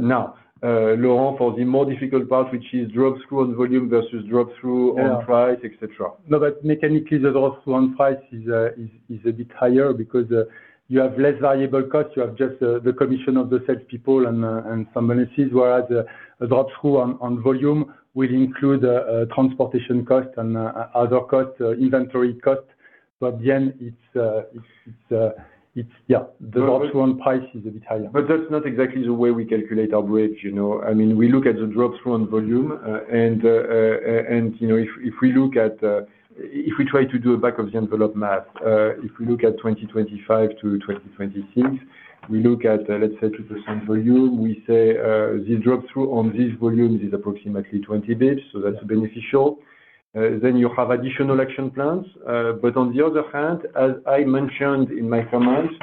Now, Laurent, for the more difficult part, which is drop-through on volume versus drop-through on price, et cetera. No, but mechanically, the drop-through on price is a bit higher because you have less variable costs. You have just the commission of the salespeople and some bonuses, whereas the drop-through on volume will include transportation costs and other costs, inventory costs... but then it's yeah, the drop-through on price is a bit higher. But that's not exactly the way we calculate our bridge, you know? I mean, we look at the drop-through on volume, and, you know, if we look at, if we try to do a back-of-the-envelope math, if we look at 2025 to 2026, we look at, let's say, 2% volume, we say, the drop-through on this volume is approximately 20 bps, so that's beneficial. Then you have additional action plans. But on the other hand, as I mentioned in my comments,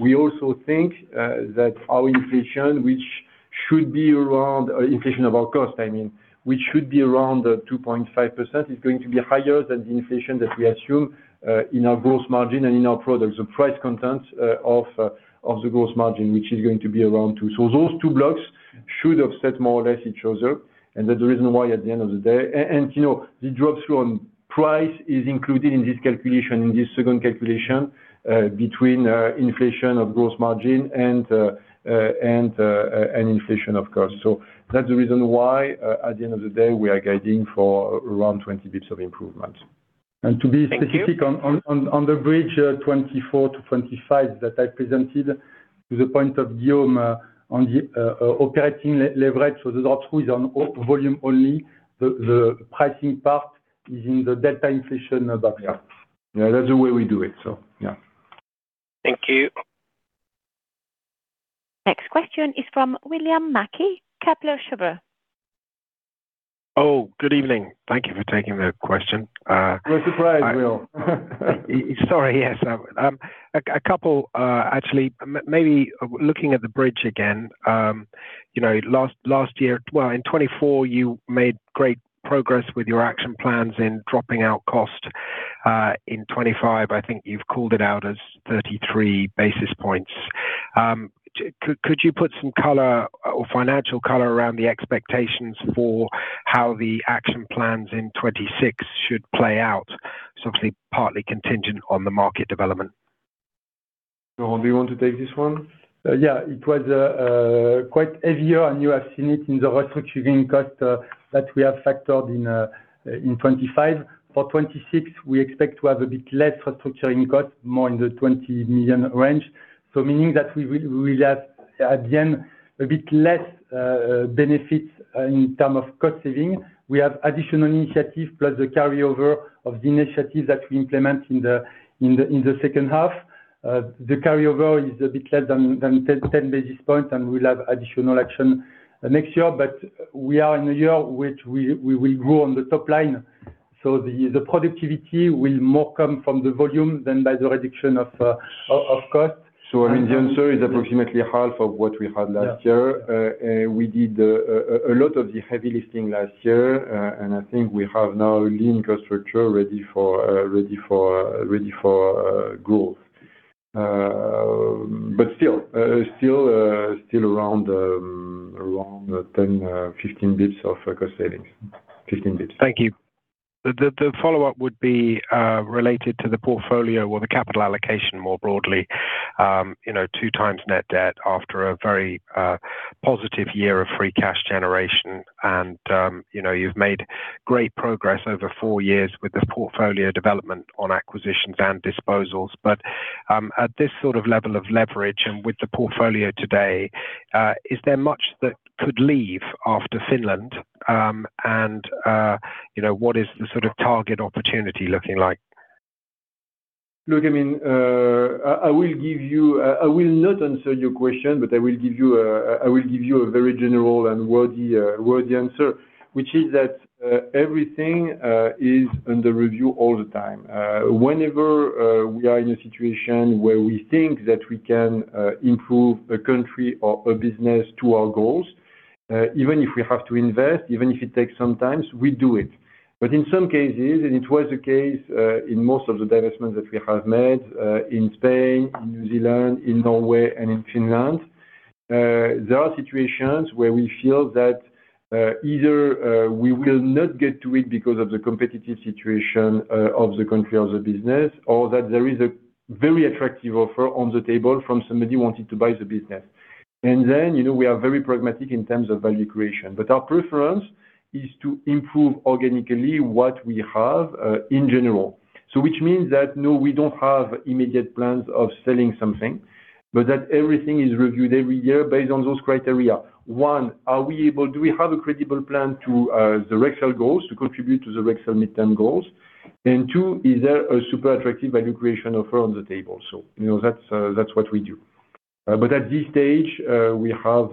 we also think, that our inflation, which should be around, inflation of our cost, I mean, which should be around, 2.5%, is going to be higher than the inflation that we assume, in our gross margin and in our products. The price content of the gross margin, which is going to be around 2. So those two blocks should offset more or less each other, and that's the reason why at the end of the day... And, you know, the drop-through on price is included in this calculation, in this second calculation, between inflation of gross margin and inflation of cost. So that's the reason why, at the end of the day, we are guiding for around 20 basis points of improvement. And to be- Thank you... specific on the bridge 2024 to 2025 that I presented, to the point of Guillaume on the operating leverage, so the drop-through is on volume only. The pricing part is in the delta inflation back up. Yeah, that's the way we do it. So, yeah. Thank you. Next question is from William Mackie, Kepler Cheuvreux. Oh, good evening. Thank you for taking the question. We're surprised, Will. Sorry, yes. A couple, actually, maybe looking at the bridge again, you know, last year, well, in 2024, you made great progress with your action plans in dropping out cost. In 2025, I think you've called it out as 33 basis points. Could you put some color or financial color around the expectations for how the action plans in 2026 should play out, certainly partly contingent on the market development? Laurent, do you want to take this one? Yeah, it was quite heavier, and you have seen it in the restructuring cost that we have factored in in 2025. For 2026, we expect to have a bit less restructuring cost, more in the 20 million range. So meaning that we will have, at the end, a bit less benefit in terms of cost saving. We have additional initiative, plus the carryover of the initiatives that we implement in the second half. The carryover is a bit less than 10 basis points, and we'll have additional action next year, but we are in a year which we will grow on the top line, so the productivity will more come from the volume than by the reduction of cost. I mean, the answer is approximately half of what we had last year. Yeah. We did a lot of the heavy lifting last year, and I think we have now lean infrastructure ready for growth. But still around 10 bps-15 bps of cost savings. 15 bps. Thank you. The follow-up would be related to the portfolio or the capital allocation more broadly. You know, two times net debt after a very positive year of free cash generation. And you know, you've made great progress over four years with the portfolio development on acquisitions and disposals. But at this sort of level of leverage and with the portfolio today, is there much that could leave after Finland? And you know, what is the sort of target opportunity looking like? Look, I mean, I will not answer your question, but I will give you a very general and worthy answer, which is that everything is under review all the time. Whenever we are in a situation where we think that we can improve a country or a business to our goals, even if we have to invest, even if it takes some time, we do it. But in some cases, and it was the case, in most of the divestments that we have made, in Spain, in New Zealand, in Norway, and in Finland, there are situations where we feel that, either, we will not get to it because of the competitive situation, of the country or the business, or that there is a very attractive offer on the table from somebody wanting to buy the business. And then, you know, we are very pragmatic in terms of value creation, but our preference is to improve organically what we have, in general. So which means that, no, we don't have immediate plans of selling something, but that everything is reviewed every year based on those criteria. One, are we able-- do we have a credible plan to, the Rexel goals, to contribute to the Rexel midterm goals? Two, is there a super attractive value creation offer on the table? So, you know, that's what we do. But at this stage, we have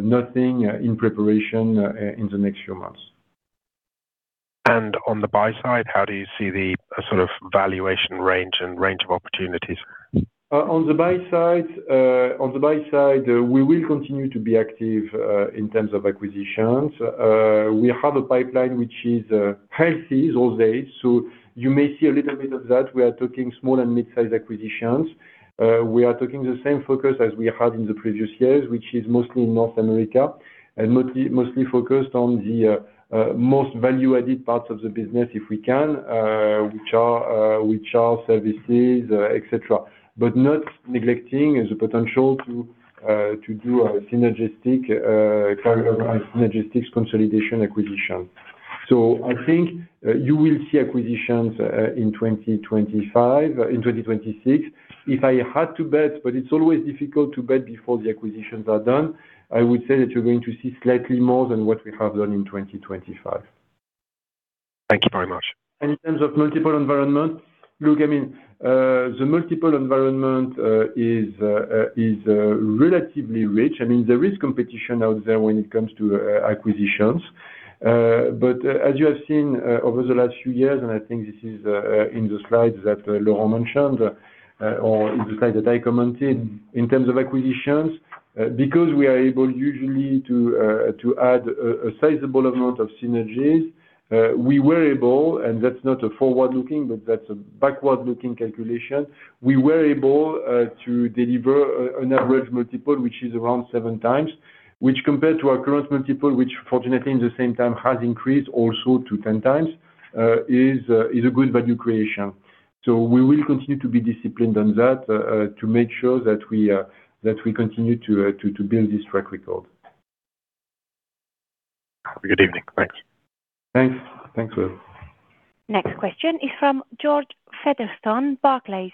nothing in preparation in the next few months. On the buy side, how do you see the sort of valuation range and range of opportunities? On the buy side, we will continue to be active in terms of acquisitions. We have a pipeline which is healthy all day, so you may see a little bit of that. We are talking small and mid-sized acquisitions. We are taking the same focus as we had in the previous years, which is mostly in North America and mostly focused on the most value-added parts of the business, if we can, which are services, et cetera. But not neglecting the potential to do a synergistic consolidation acquisition. So I think you will see acquisitions in 2025, in 2026. If I had to bet, but it's always difficult to bet before the acquisitions are done, I would say that you're going to see slightly more than what we have done in 2025.... Thank you very much. In terms of multiple environments, look, I mean, the multiple environment is relatively rich. I mean, there is competition out there when it comes to acquisitions. But as you have seen over the last few years, and I think this is in the slides that Laurent mentioned or in the slide that I commented, in terms of acquisitions, because we are able usually to add a sizable amount of synergies, we were able, and that's not a forward-looking, but that's a backward-looking calculation. We were able to deliver an average multiple, which is around 7x, which compared to our current multiple, which fortunately in the same time has increased also to 10x, is a good value creation. So we will continue to be disciplined on that, to make sure that we continue to build this track record. Good evening. Thanks. Thanks. Thanks, Will. Next question is from George Featherstone, Barclays.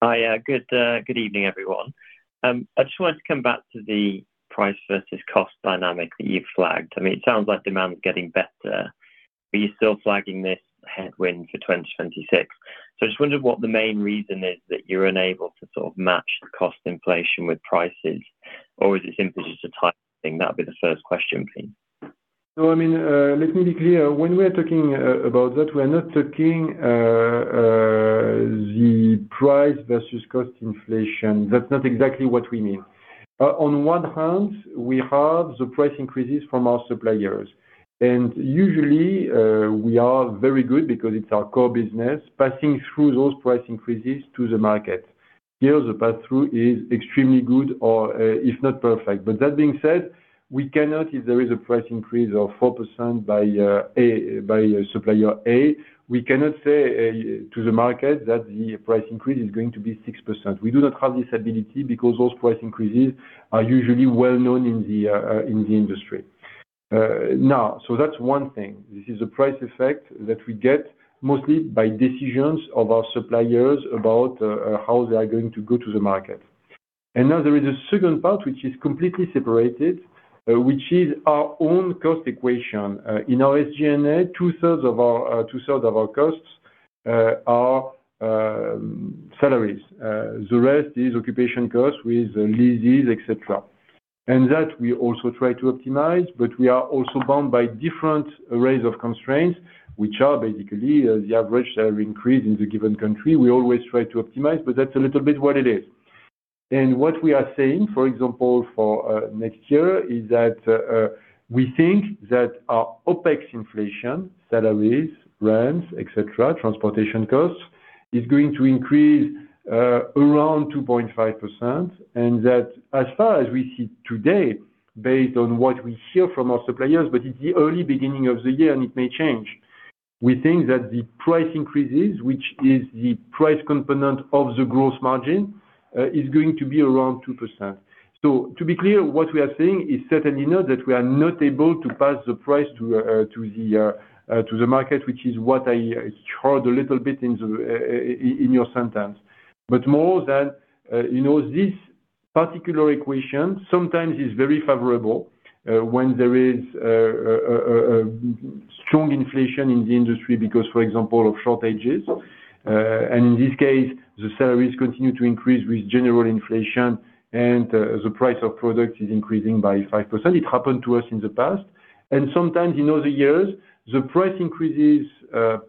Hi, yeah, good, good evening, everyone. I just wanted to come back to the price versus cost dynamic that you've flagged. I mean, it sounds like demand is getting better, but you're still flagging this headwind for 2026. So I just wondered what the main reason is that you're unable to sort of match the cost inflation with prices, or is this simply just a timing thing? That'd be the first question, please. No, I mean, let me be clear. When we are talking about that, we are not talking the price versus cost inflation. That's not exactly what we mean. On one hand, we have the price increases from our suppliers, and usually, we are very good because it's our core business, passing through those price increases to the market. Here, the pass-through is extremely good or, if not perfect. But that being said, we cannot, if there is a price increase of 4% by A, by supplier A, we cannot say to the market that the price increase is going to be 6%. We do not have this ability because those price increases are usually well known in the industry. Now, so that's one thing. This is a price effect that we get mostly by decisions of our suppliers about how they are going to go to the market. And now there is a second part, which is completely separated, which is our own cost equation. In our SG&A, two-thirds of our two-thirds of our costs are salaries. The rest is occupation costs with leases, et cetera. And that we also try to optimize, but we are also bound by different arrays of constraints, which are basically the average salary increase in the given country. We always try to optimize, but that's a little bit what it is. And what we are saying, for example, for next year, is that we think that our OpEx inflation, salaries, rents, et cetera, transportation costs, is going to increase around 2.5%, and that as far as we see today, based on what we hear from our suppliers, but it's the early beginning of the year, and it may change. We think that the price increases, which is the price component of the gross margin, is going to be around 2%. So to be clear, what we are saying is certainly not that we are not able to pass the price to the market, which is what I heard a little bit in your sentence. But more than, you know, this particular equation sometimes is very favorable, when there is a strong inflation in the industry because, for example, of shortages. And in this case, the salaries continue to increase with general inflation and, the price of products is increasing by 5%. It happened to us in the past. And sometimes in other years, the price increases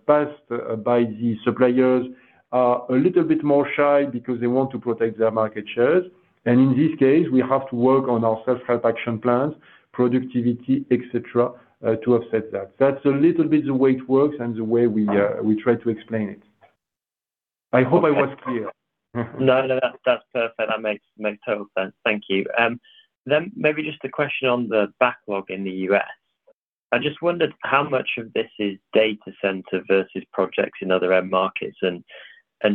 passed by the suppliers are a little bit more shy because they want to protect their market shares. And in this case, we have to work on our self-help action plans, productivity, et cetera, to offset that. That's a little bit the way it works and the way we, we try to explain it. I hope I was clear. No, no, that's perfect. That makes total sense. Thank you. Then maybe just a question on the backlog in the U.S. I just wondered how much of this is data center versus projects in other end markets, and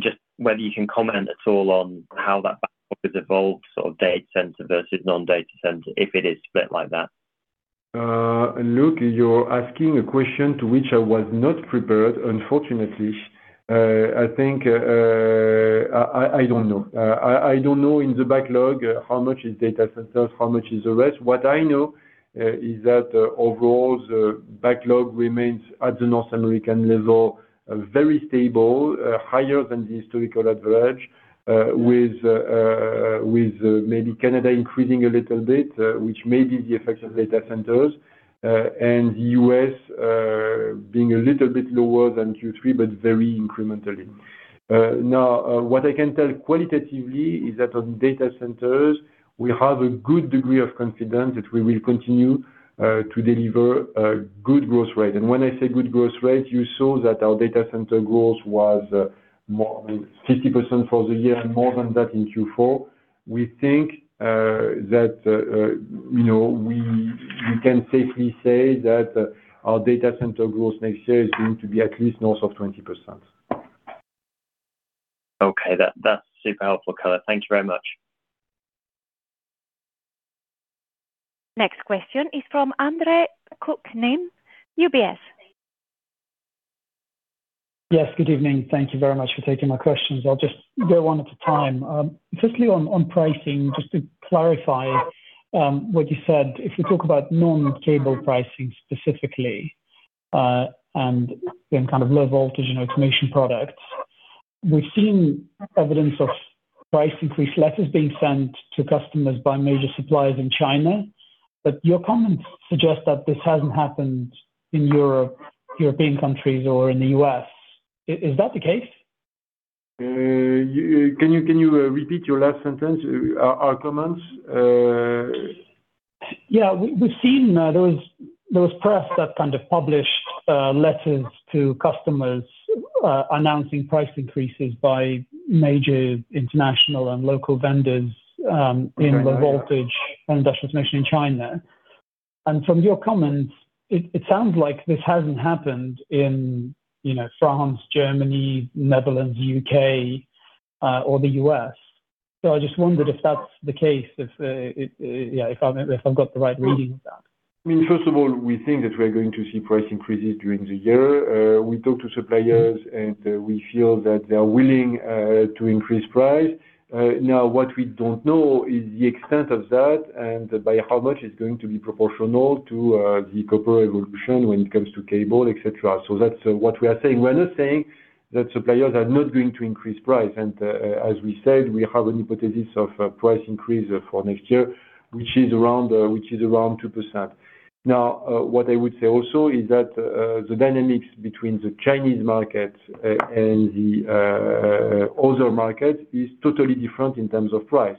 just whether you can comment at all on how that backlog has evolved, sort of data center versus non-data center, if it is split like that. Look, you're asking a question to which I was not prepared, unfortunately. I think, I don't know. I don't know in the backlog how much is data centers, how much is the rest. What I know is that overall, the backlog remains at the North American level very stable, higher than the historical average, with maybe Canada increasing a little bit, which may be the effects of data centers, and U.S. being a little bit lower than Q3, but very incrementally. Now, what I can tell qualitatively is that on data centers, we have a good degree of confidence that we will continue to deliver a good growth rate. When I say good growth rate, you saw that our data center growth was more than 50% for the year and more than that in Q4. We think that you know we can safely say that our data center growth next year is going to be at least north of 20%. Okay. That, that's super helpful, Guillaume. Thank you very much. Next question is from Andre Kukhnin, UBS.... Yes, good evening. Thank you very much for taking my questions. I'll just go one at a time. Firstly, on pricing, just to clarify, what you said. If we talk about non-cable pricing specifically, and then kind of low voltage and automation products, we've seen evidence of price increase letters being sent to customers by major suppliers in China. But your comments suggest that this hasn't happened in Europe, European countries or in the U.S. Is that the case? Can you repeat your last sentence, our comments? Yeah, we've seen those press that kind of publish letters to customers announcing price increases by major international and local vendors in the voltage and industrial automation in China. And from your comments, it sounds like this hasn't happened in, you know, France, Germany, Netherlands, U.K., or the U.S. So I just wondered if that's the case, if I've got the right reading of that. I mean, first of all, we think that we're going to see price increases during the year. We talk to suppliers, and we feel that they are willing to increase price. Now what we don't know is the extent of that and by how much it's going to be proportional to the copper evolution when it comes to cable, et cetera. So that's what we are saying. We're not saying that suppliers are not going to increase price. And as we said, we have a hypothesis of a price increase for next year, which is around which is around 2%. Now what I would say also is that the dynamics between the Chinese market and the other markets is totally different in terms of price.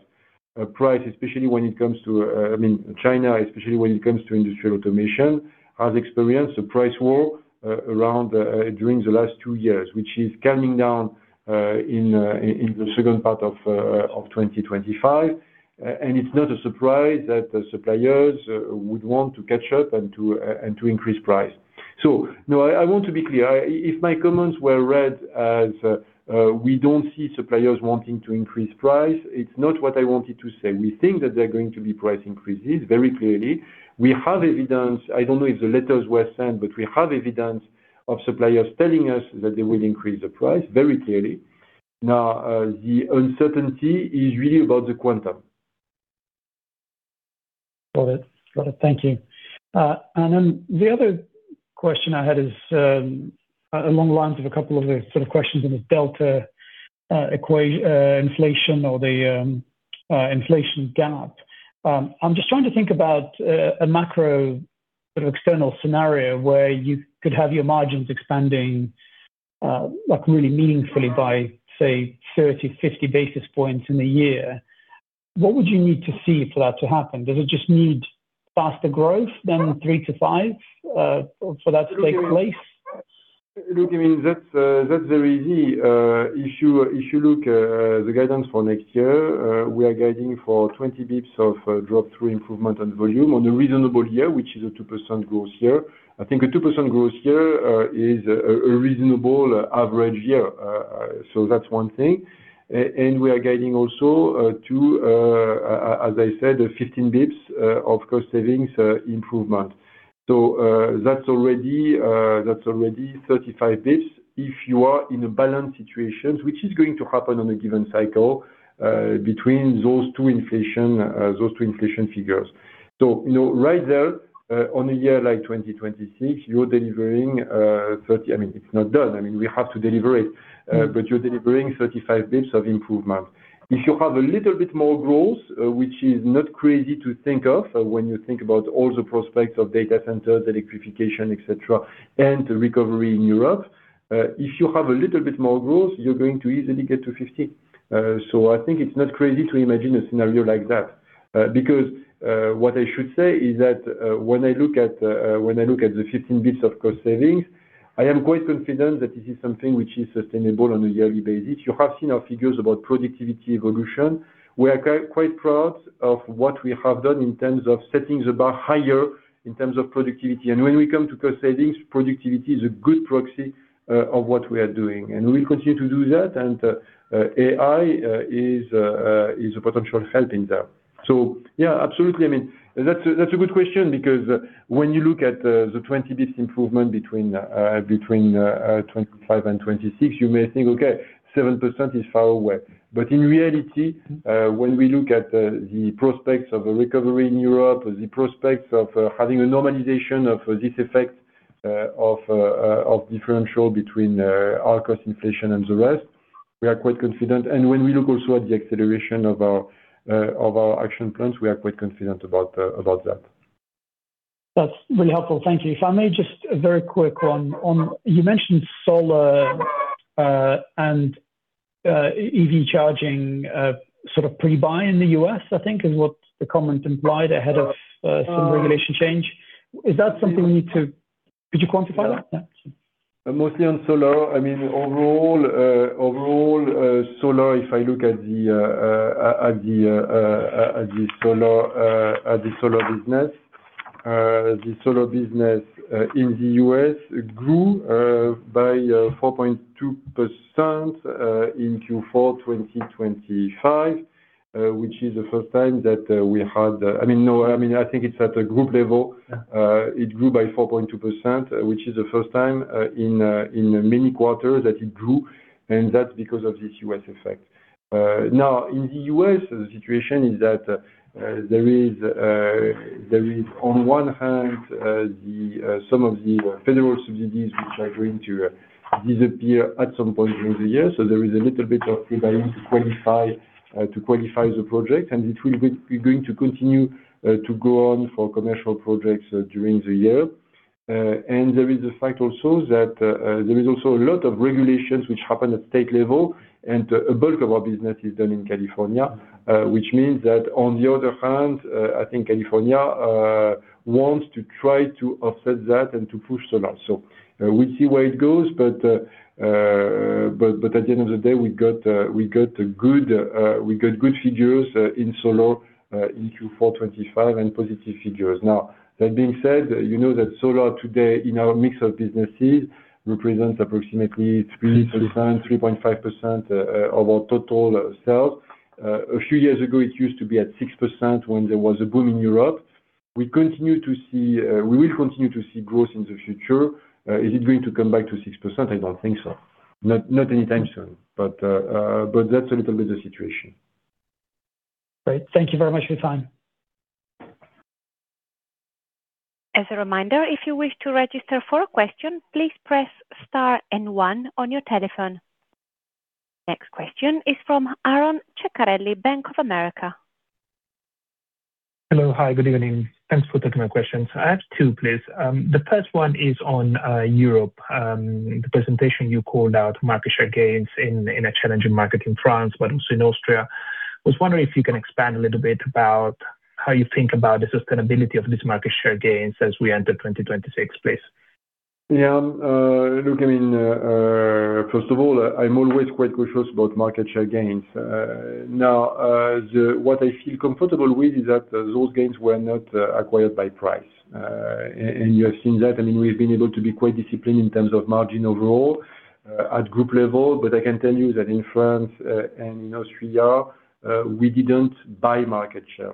Price, especially when it comes to, I mean, China, especially when it comes to industrial automation, has experienced a price war, around, during the last two years, which is calming down, in, in the second part of, of 2025. And it's not a surprise that the suppliers would want to catch up and to, and to increase price. So, no, I, I want to be clear. If my comments were read as, we don't see suppliers wanting to increase price, it's not what I wanted to say. We think that there are going to be price increases, very clearly. We have evidence. I don't know if the letters were sent, but we have evidence of suppliers telling us that they will increase the price, very clearly. Now, the uncertainty is really about the quantum. Got it. Got it. Thank you. And then the other question I had is, along the lines of a couple of the sort of questions on the delta, inflation or the, inflation gap. I'm just trying to think about, a macro sort of external scenario where you could have your margins expanding, like, really meaningfully by, say, 30, 50 basis points in a year. What would you need to see for that to happen? Does it just need faster growth than 3-5, for that to take place? Look, I mean, that's very easy. If you look the guidance for next year, we are guiding for 20 basis points of drop-through improvement on volume on a reasonable year, which is a 2% growth year. I think a 2% growth year is a reasonable average year. So that's one thing. And we are guiding also to, as I said, 15 basis points of cost savings improvement. So that's already 35 basis points. If you are in a balanced situation, which is going to happen on a given cycle, between those two inflation figures. So you know, right there, on a year like 2026, you're delivering 30... I mean, it's not done. I mean, we have to deliver it, but you're delivering 35 basis points of improvement. If you have a little bit more growth, which is not crazy to think of when you think about all the prospects of data centers, electrification, et cetera, and the recovery in Europe, if you have a little bit more growth, you're going to easily get to 50. So I think it's not crazy to imagine a scenario like that, because what I should say is that when I look at the 15 basis points of cost savings, I am quite confident that this is something which is sustainable on a yearly basis. You have seen our figures about productivity evolution. We are quite proud of what we have done in terms of setting the bar higher in terms of productivity. When we come to cost savings, productivity is a good proxy of what we are doing, and we will continue to do that. AI is a potential help in that. So, yeah, absolutely. I mean, that's a good question because when you look at the 20 basis points improvement between 2025 and 2026, you may think, okay, 7% is far away. But in reality, when we look at the prospects of a recovery in Europe, the prospects of having a normalization of this effect of differential between our cost inflation and the rest, we are quite confident. And when we look also at the acceleration of our action plans, we are quite confident about that. That's really helpful. Thank you. If I may, just a very quick one on... You mentioned solar, and, EV charging, sort of pre-buy in the U.S., I think, is what the comment implied ahead of, some regulation change. Is that something we need to-- Could you quantify that? Mostly on solar. I mean, overall, solar, if I look at the solar business—the solar business in the U.S., it grew by 4.2% in Q4 2025, which is the first time that we had—I mean, no, I mean, I think it's at a group level. It grew by 4.2%, which is the first time in many quarters that it grew, and that's because of this U.S. effect. Now, in the U.S., the situation is that there is, there is, on one hand, some of the federal subsidies which are going to disappear at some point during the year. So there is a little bit of people trying to qualify the project, and it will be going to continue to go on for commercial projects during the year. There is the fact also that there is also a lot of regulations which happen at state level, and a bulk of our business is done in California, which means that, on the other hand, I think California wants to try to offset that and to push solar. So, we'll see where it goes, but at the end of the day, we got good figures in solar in Q4 2025, and positive figures. Now, that being said, you know that solar today, in our mix of businesses, represents approximately 3%, 3.5%, of our total sales. A few years ago, it used to be at 6% when there was a boom in Europe. We continue to see, we will continue to see growth in the future. Is it going to come back to 6%? I don't think so. Not, not anytime soon, but, but that's a little bit the situation. Great. Thank you very much for your time. As a reminder, if you wish to register for a question, please press star and one on your telephone. Next question is from Aron Ceccarelli, Bank of America. Hello. Hi, good evening. Thanks for taking my questions. I have two, please. The first one is on Europe. The presentation you called out market share gains in a challenging market in France, but also in Austria. I was wondering if you can expand a little bit about how you think about the sustainability of this market share gains as we enter 2026, please. Yeah. Look, I mean, first of all, I'm always quite cautious about market share gains. Now, what I feel comfortable with is that those gains were not acquired by price. And you have seen that. I mean, we've been able to be quite disciplined in terms of margin overall, at group level. But I can tell you that in France and in Austria, we didn't buy market share.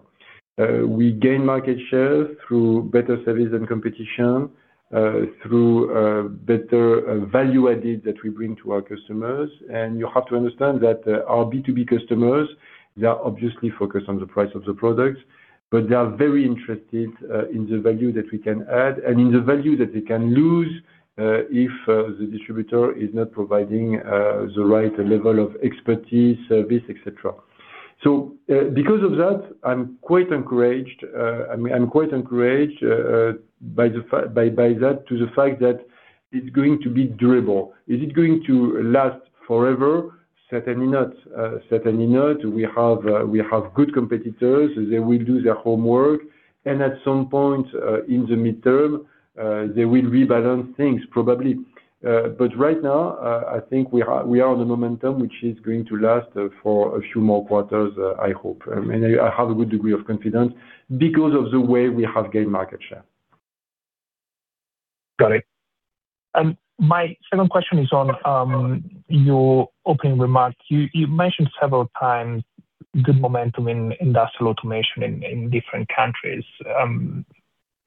We gained market share through better service and competition, through better value added that we bring to our customers. You have to understand that, our B2B customers, they are obviously focused on the price of the product, but they are very interested in the value that we can add and in the value that they can lose if the distributor is not providing the right level of expertise, service, et cetera. So, because of that, I'm quite encouraged. I mean, I'm quite encouraged by the fact that it's going to be durable. Is it going to last forever? Certainly not. Certainly not. We have good competitors. They will do their homework, and at some point in the midterm, they will rebalance things, probably. But right now, I think we are, we are on a momentum, which is going to last for a few more quarters, I hope. And I have a good degree of confidence because of the way we have gained market share. Got it. My second question is on your opening remarks. You mentioned several times good momentum in industrial automation in different countries.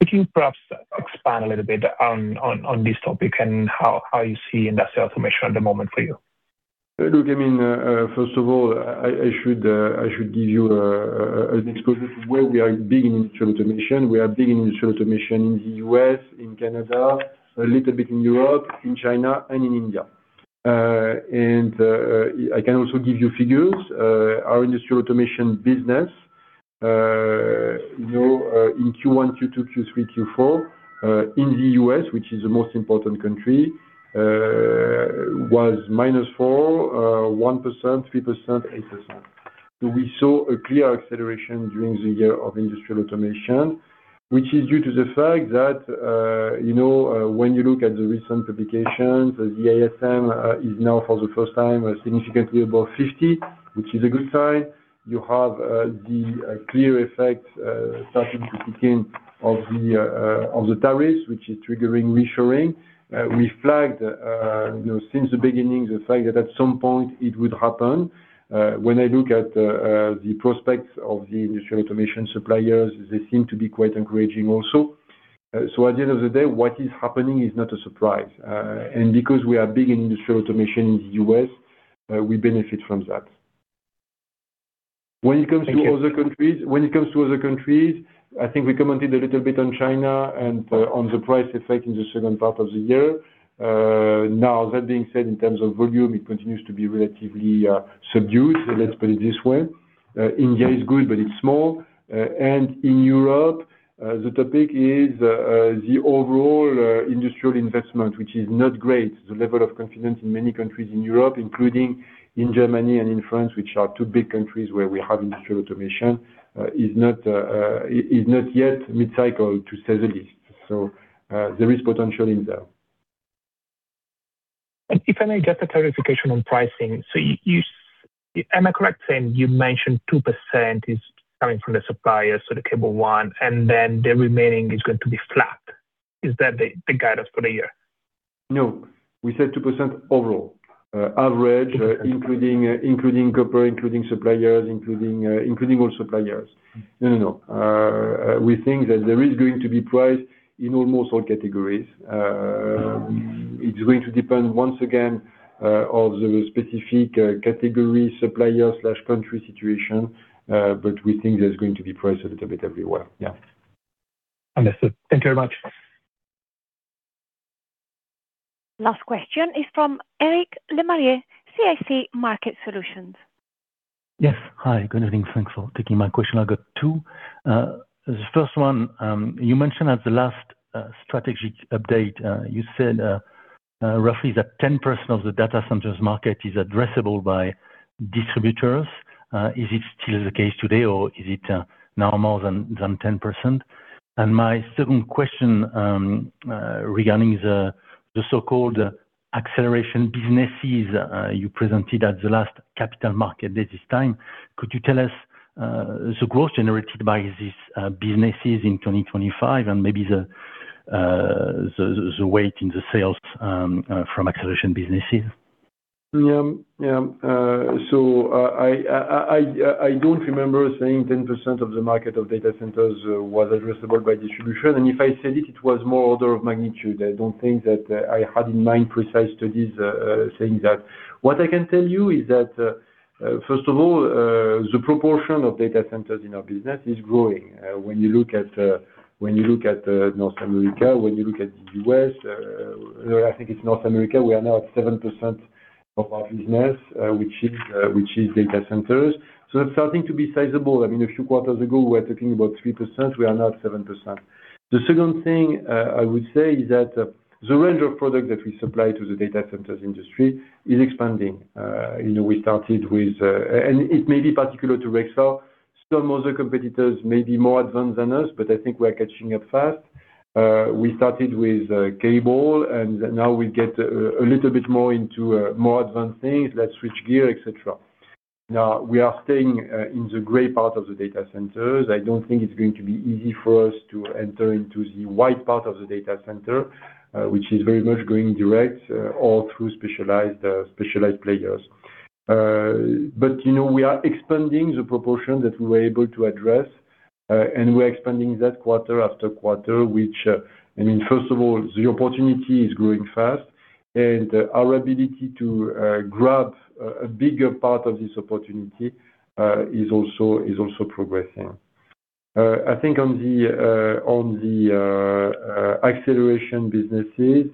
Could you perhaps expand a little bit on this topic and how you see industrial automation at the moment for you? Look, I mean, first of all, I should give you an exposure where we are big in industrial automation. We are big in industrial automation in the U.S., in Canada, a little bit in Europe, in China, and in India. And I can also give you figures. Our industrial automation business, you know, in Q1, Q2, Q3, Q4, in the U.S., which is the most important country, was -4%, 1%, 3%, 8%. So we saw a clear acceleration during the year of industrial automation, which is due to the fact that, you know, when you look at the recent publications, the ISM is now for the first time, significantly above 50, which is a good sign. You have the clear effect starting to kick in of the tariffs, which is triggering reshoring. We flagged, you know, since the beginning, the fact that at some point it would happen. When I look at the prospects of the industrial automation suppliers, they seem to be quite encouraging also. So at the end of the day, what is happening is not a surprise, and because we are big in industrial automation in the U.S., we benefit from that. Thank you. When it comes to other countries, when it comes to other countries, I think we commented a little bit on China and, on the price effect in the second part of the year. Now, that being said, in terms of volume, it continues to be relatively, subdued, let's put it this way. India is good, but it's small. And in Europe, the topic is, the overall, industrial investment, which is not great. The level of confidence in many countries in Europe, including in Germany and in France, which are two big countries where we have industrial automation, is not, is not yet mid-cycle, to say the least. So, there is potential in there.... If I may get a clarification on pricing. So, am I correct saying you mentioned 2% is coming from the suppliers, so the cable one, and then the remaining is going to be flat? Is that the guidance for the year? No, we said 2% overall, average, including, including copper, including suppliers, including, including all suppliers. No, no, no. We think that there is going to be price in almost all categories. It's going to depend once again, on the specific category, supplier/country situation, but we think there's going to be price a little bit everywhere. Yeah. Understood. Thank you very much. Last question is from Eric Lemarié, CIC Market Solutions. Yes. Hi, good evening. Thanks for taking my question. I've got two. The first one, you mentioned at the last strategy update, you said roughly that 10% of the data centers market is addressable by distributors. Is it still the case today, or is it now more than 10%? And my second question, regarding the so-called acceleration businesses you presented at the last Capital Markets Day. Could you tell us the growth generated by these businesses in 2025 and maybe the weight in the sales from acceleration businesses? Yeah. Yeah. So, I don't remember saying 10% of the market of data centers was addressable by distribution, and if I said it, it was more order of magnitude. I don't think that I had in mind precise studies saying that. What I can tell you is that, first of all, the proportion of data centers in our business is growing. When you look at North America, when you look at the U.S., I think it's North America, we are now at 7% of our business, which is data centers. So it's starting to be sizable. I mean, a few quarters ago, we were talking about 3%, we are now at 7%. The second thing, I would say is that the range of products that we supply to the data centers industry is expanding. You know, we started with... It may be particular to Rexel. Some other competitors may be more advanced than us, but I think we're catching up fast. We started with cable, and now we get a little bit more into more advanced things, let's switch gear, et cetera. Now, we are staying in the gray part of the data centers. I don't think it's going to be easy for us to enter into the white part of the data center, which is very much going direct or through specialized players. But, you know, we are expanding the proportion that we were able to address, and we're expanding that quarter after quarter, which, I mean, first of all, the opportunity is growing fast, and our ability to grab a bigger part of this opportunity is also progressing. I think on the acceleration businesses,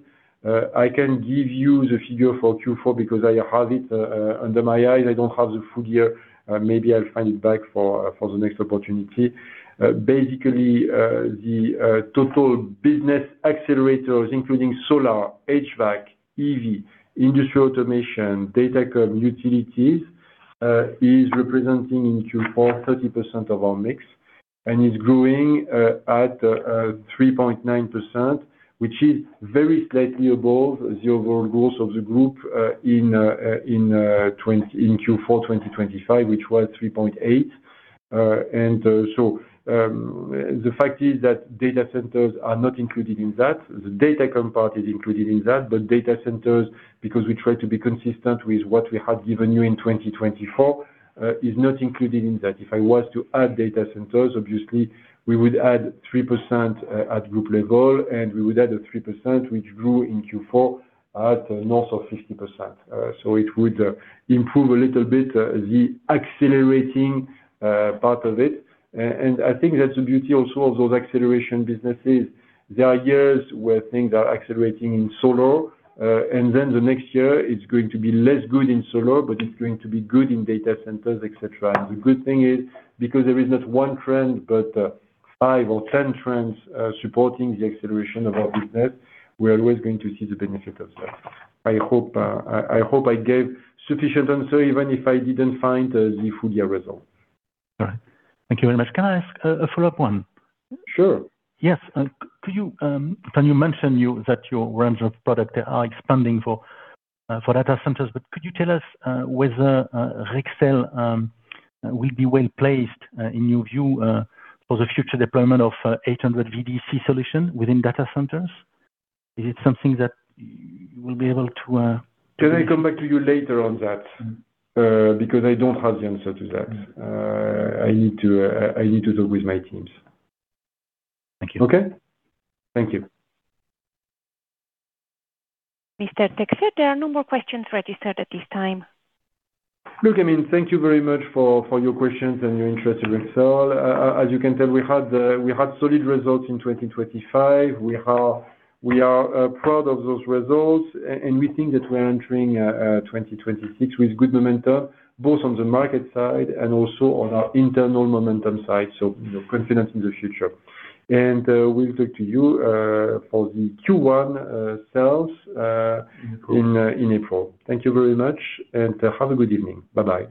I can give you the figure for Q4 because I have it under my eyes. I don't have the full year. Maybe I'll find it back for the next opportunity. Basically, the total business accelerators, including solar, HVAC, EV, industrial automation, datacom, utilities, is representing in Q4 30% of our mix, and is growing at 3.9%, which is very slightly above the overall growth of the group in Q4 2025, which was 3.8%. So, the fact is that data centers are not included in that. The datacom part is included in that, but data centers, because we try to be consistent with what we had given you in 2024, is not included in that. If I was to add data centers, obviously we would add 3% at group level, and we would add a 3%, which grew in Q4 at north of 50%. So it would improve a little bit the accelerating part of it. And I think that's the beauty also of those acceleration businesses. There are years where things are accelerating in solar, and then the next year it's going to be less good in solar, but it's going to be good in data centers, et cetera. And the good thing is, because there is not one trend, but five or 10 trends supporting the acceleration of our business, we're always going to see the benefit of that. I hope I gave sufficient answer, even if I didn't find the full year result. All right. Thank you very much. Can I ask a follow-up one? Sure. Yes. Could you mention that your range of product are expanding for data centers, but could you tell us whether Rexel will be well placed in your view for the future deployment of 800 VDC solution within data centers? Is it something that you will be able to? Can I come back to you later on that? Because I don't have the answer to that. I need to, I need to talk with my teams. Thank you. Okay? Thank you. Mr. Texier, there are no more questions registered at this time. Look, I mean, thank you very much for your questions and your interest in Rexel. As you can tell, we had solid results in 2025. We are proud of those results, and we think that we're entering 2026 with good momentum, both on the market side and also on our internal momentum side, so, you know, confidence in the future. We'll talk to you for the Q1 sales in April. Thank you very much, and have a good evening. Bye-bye.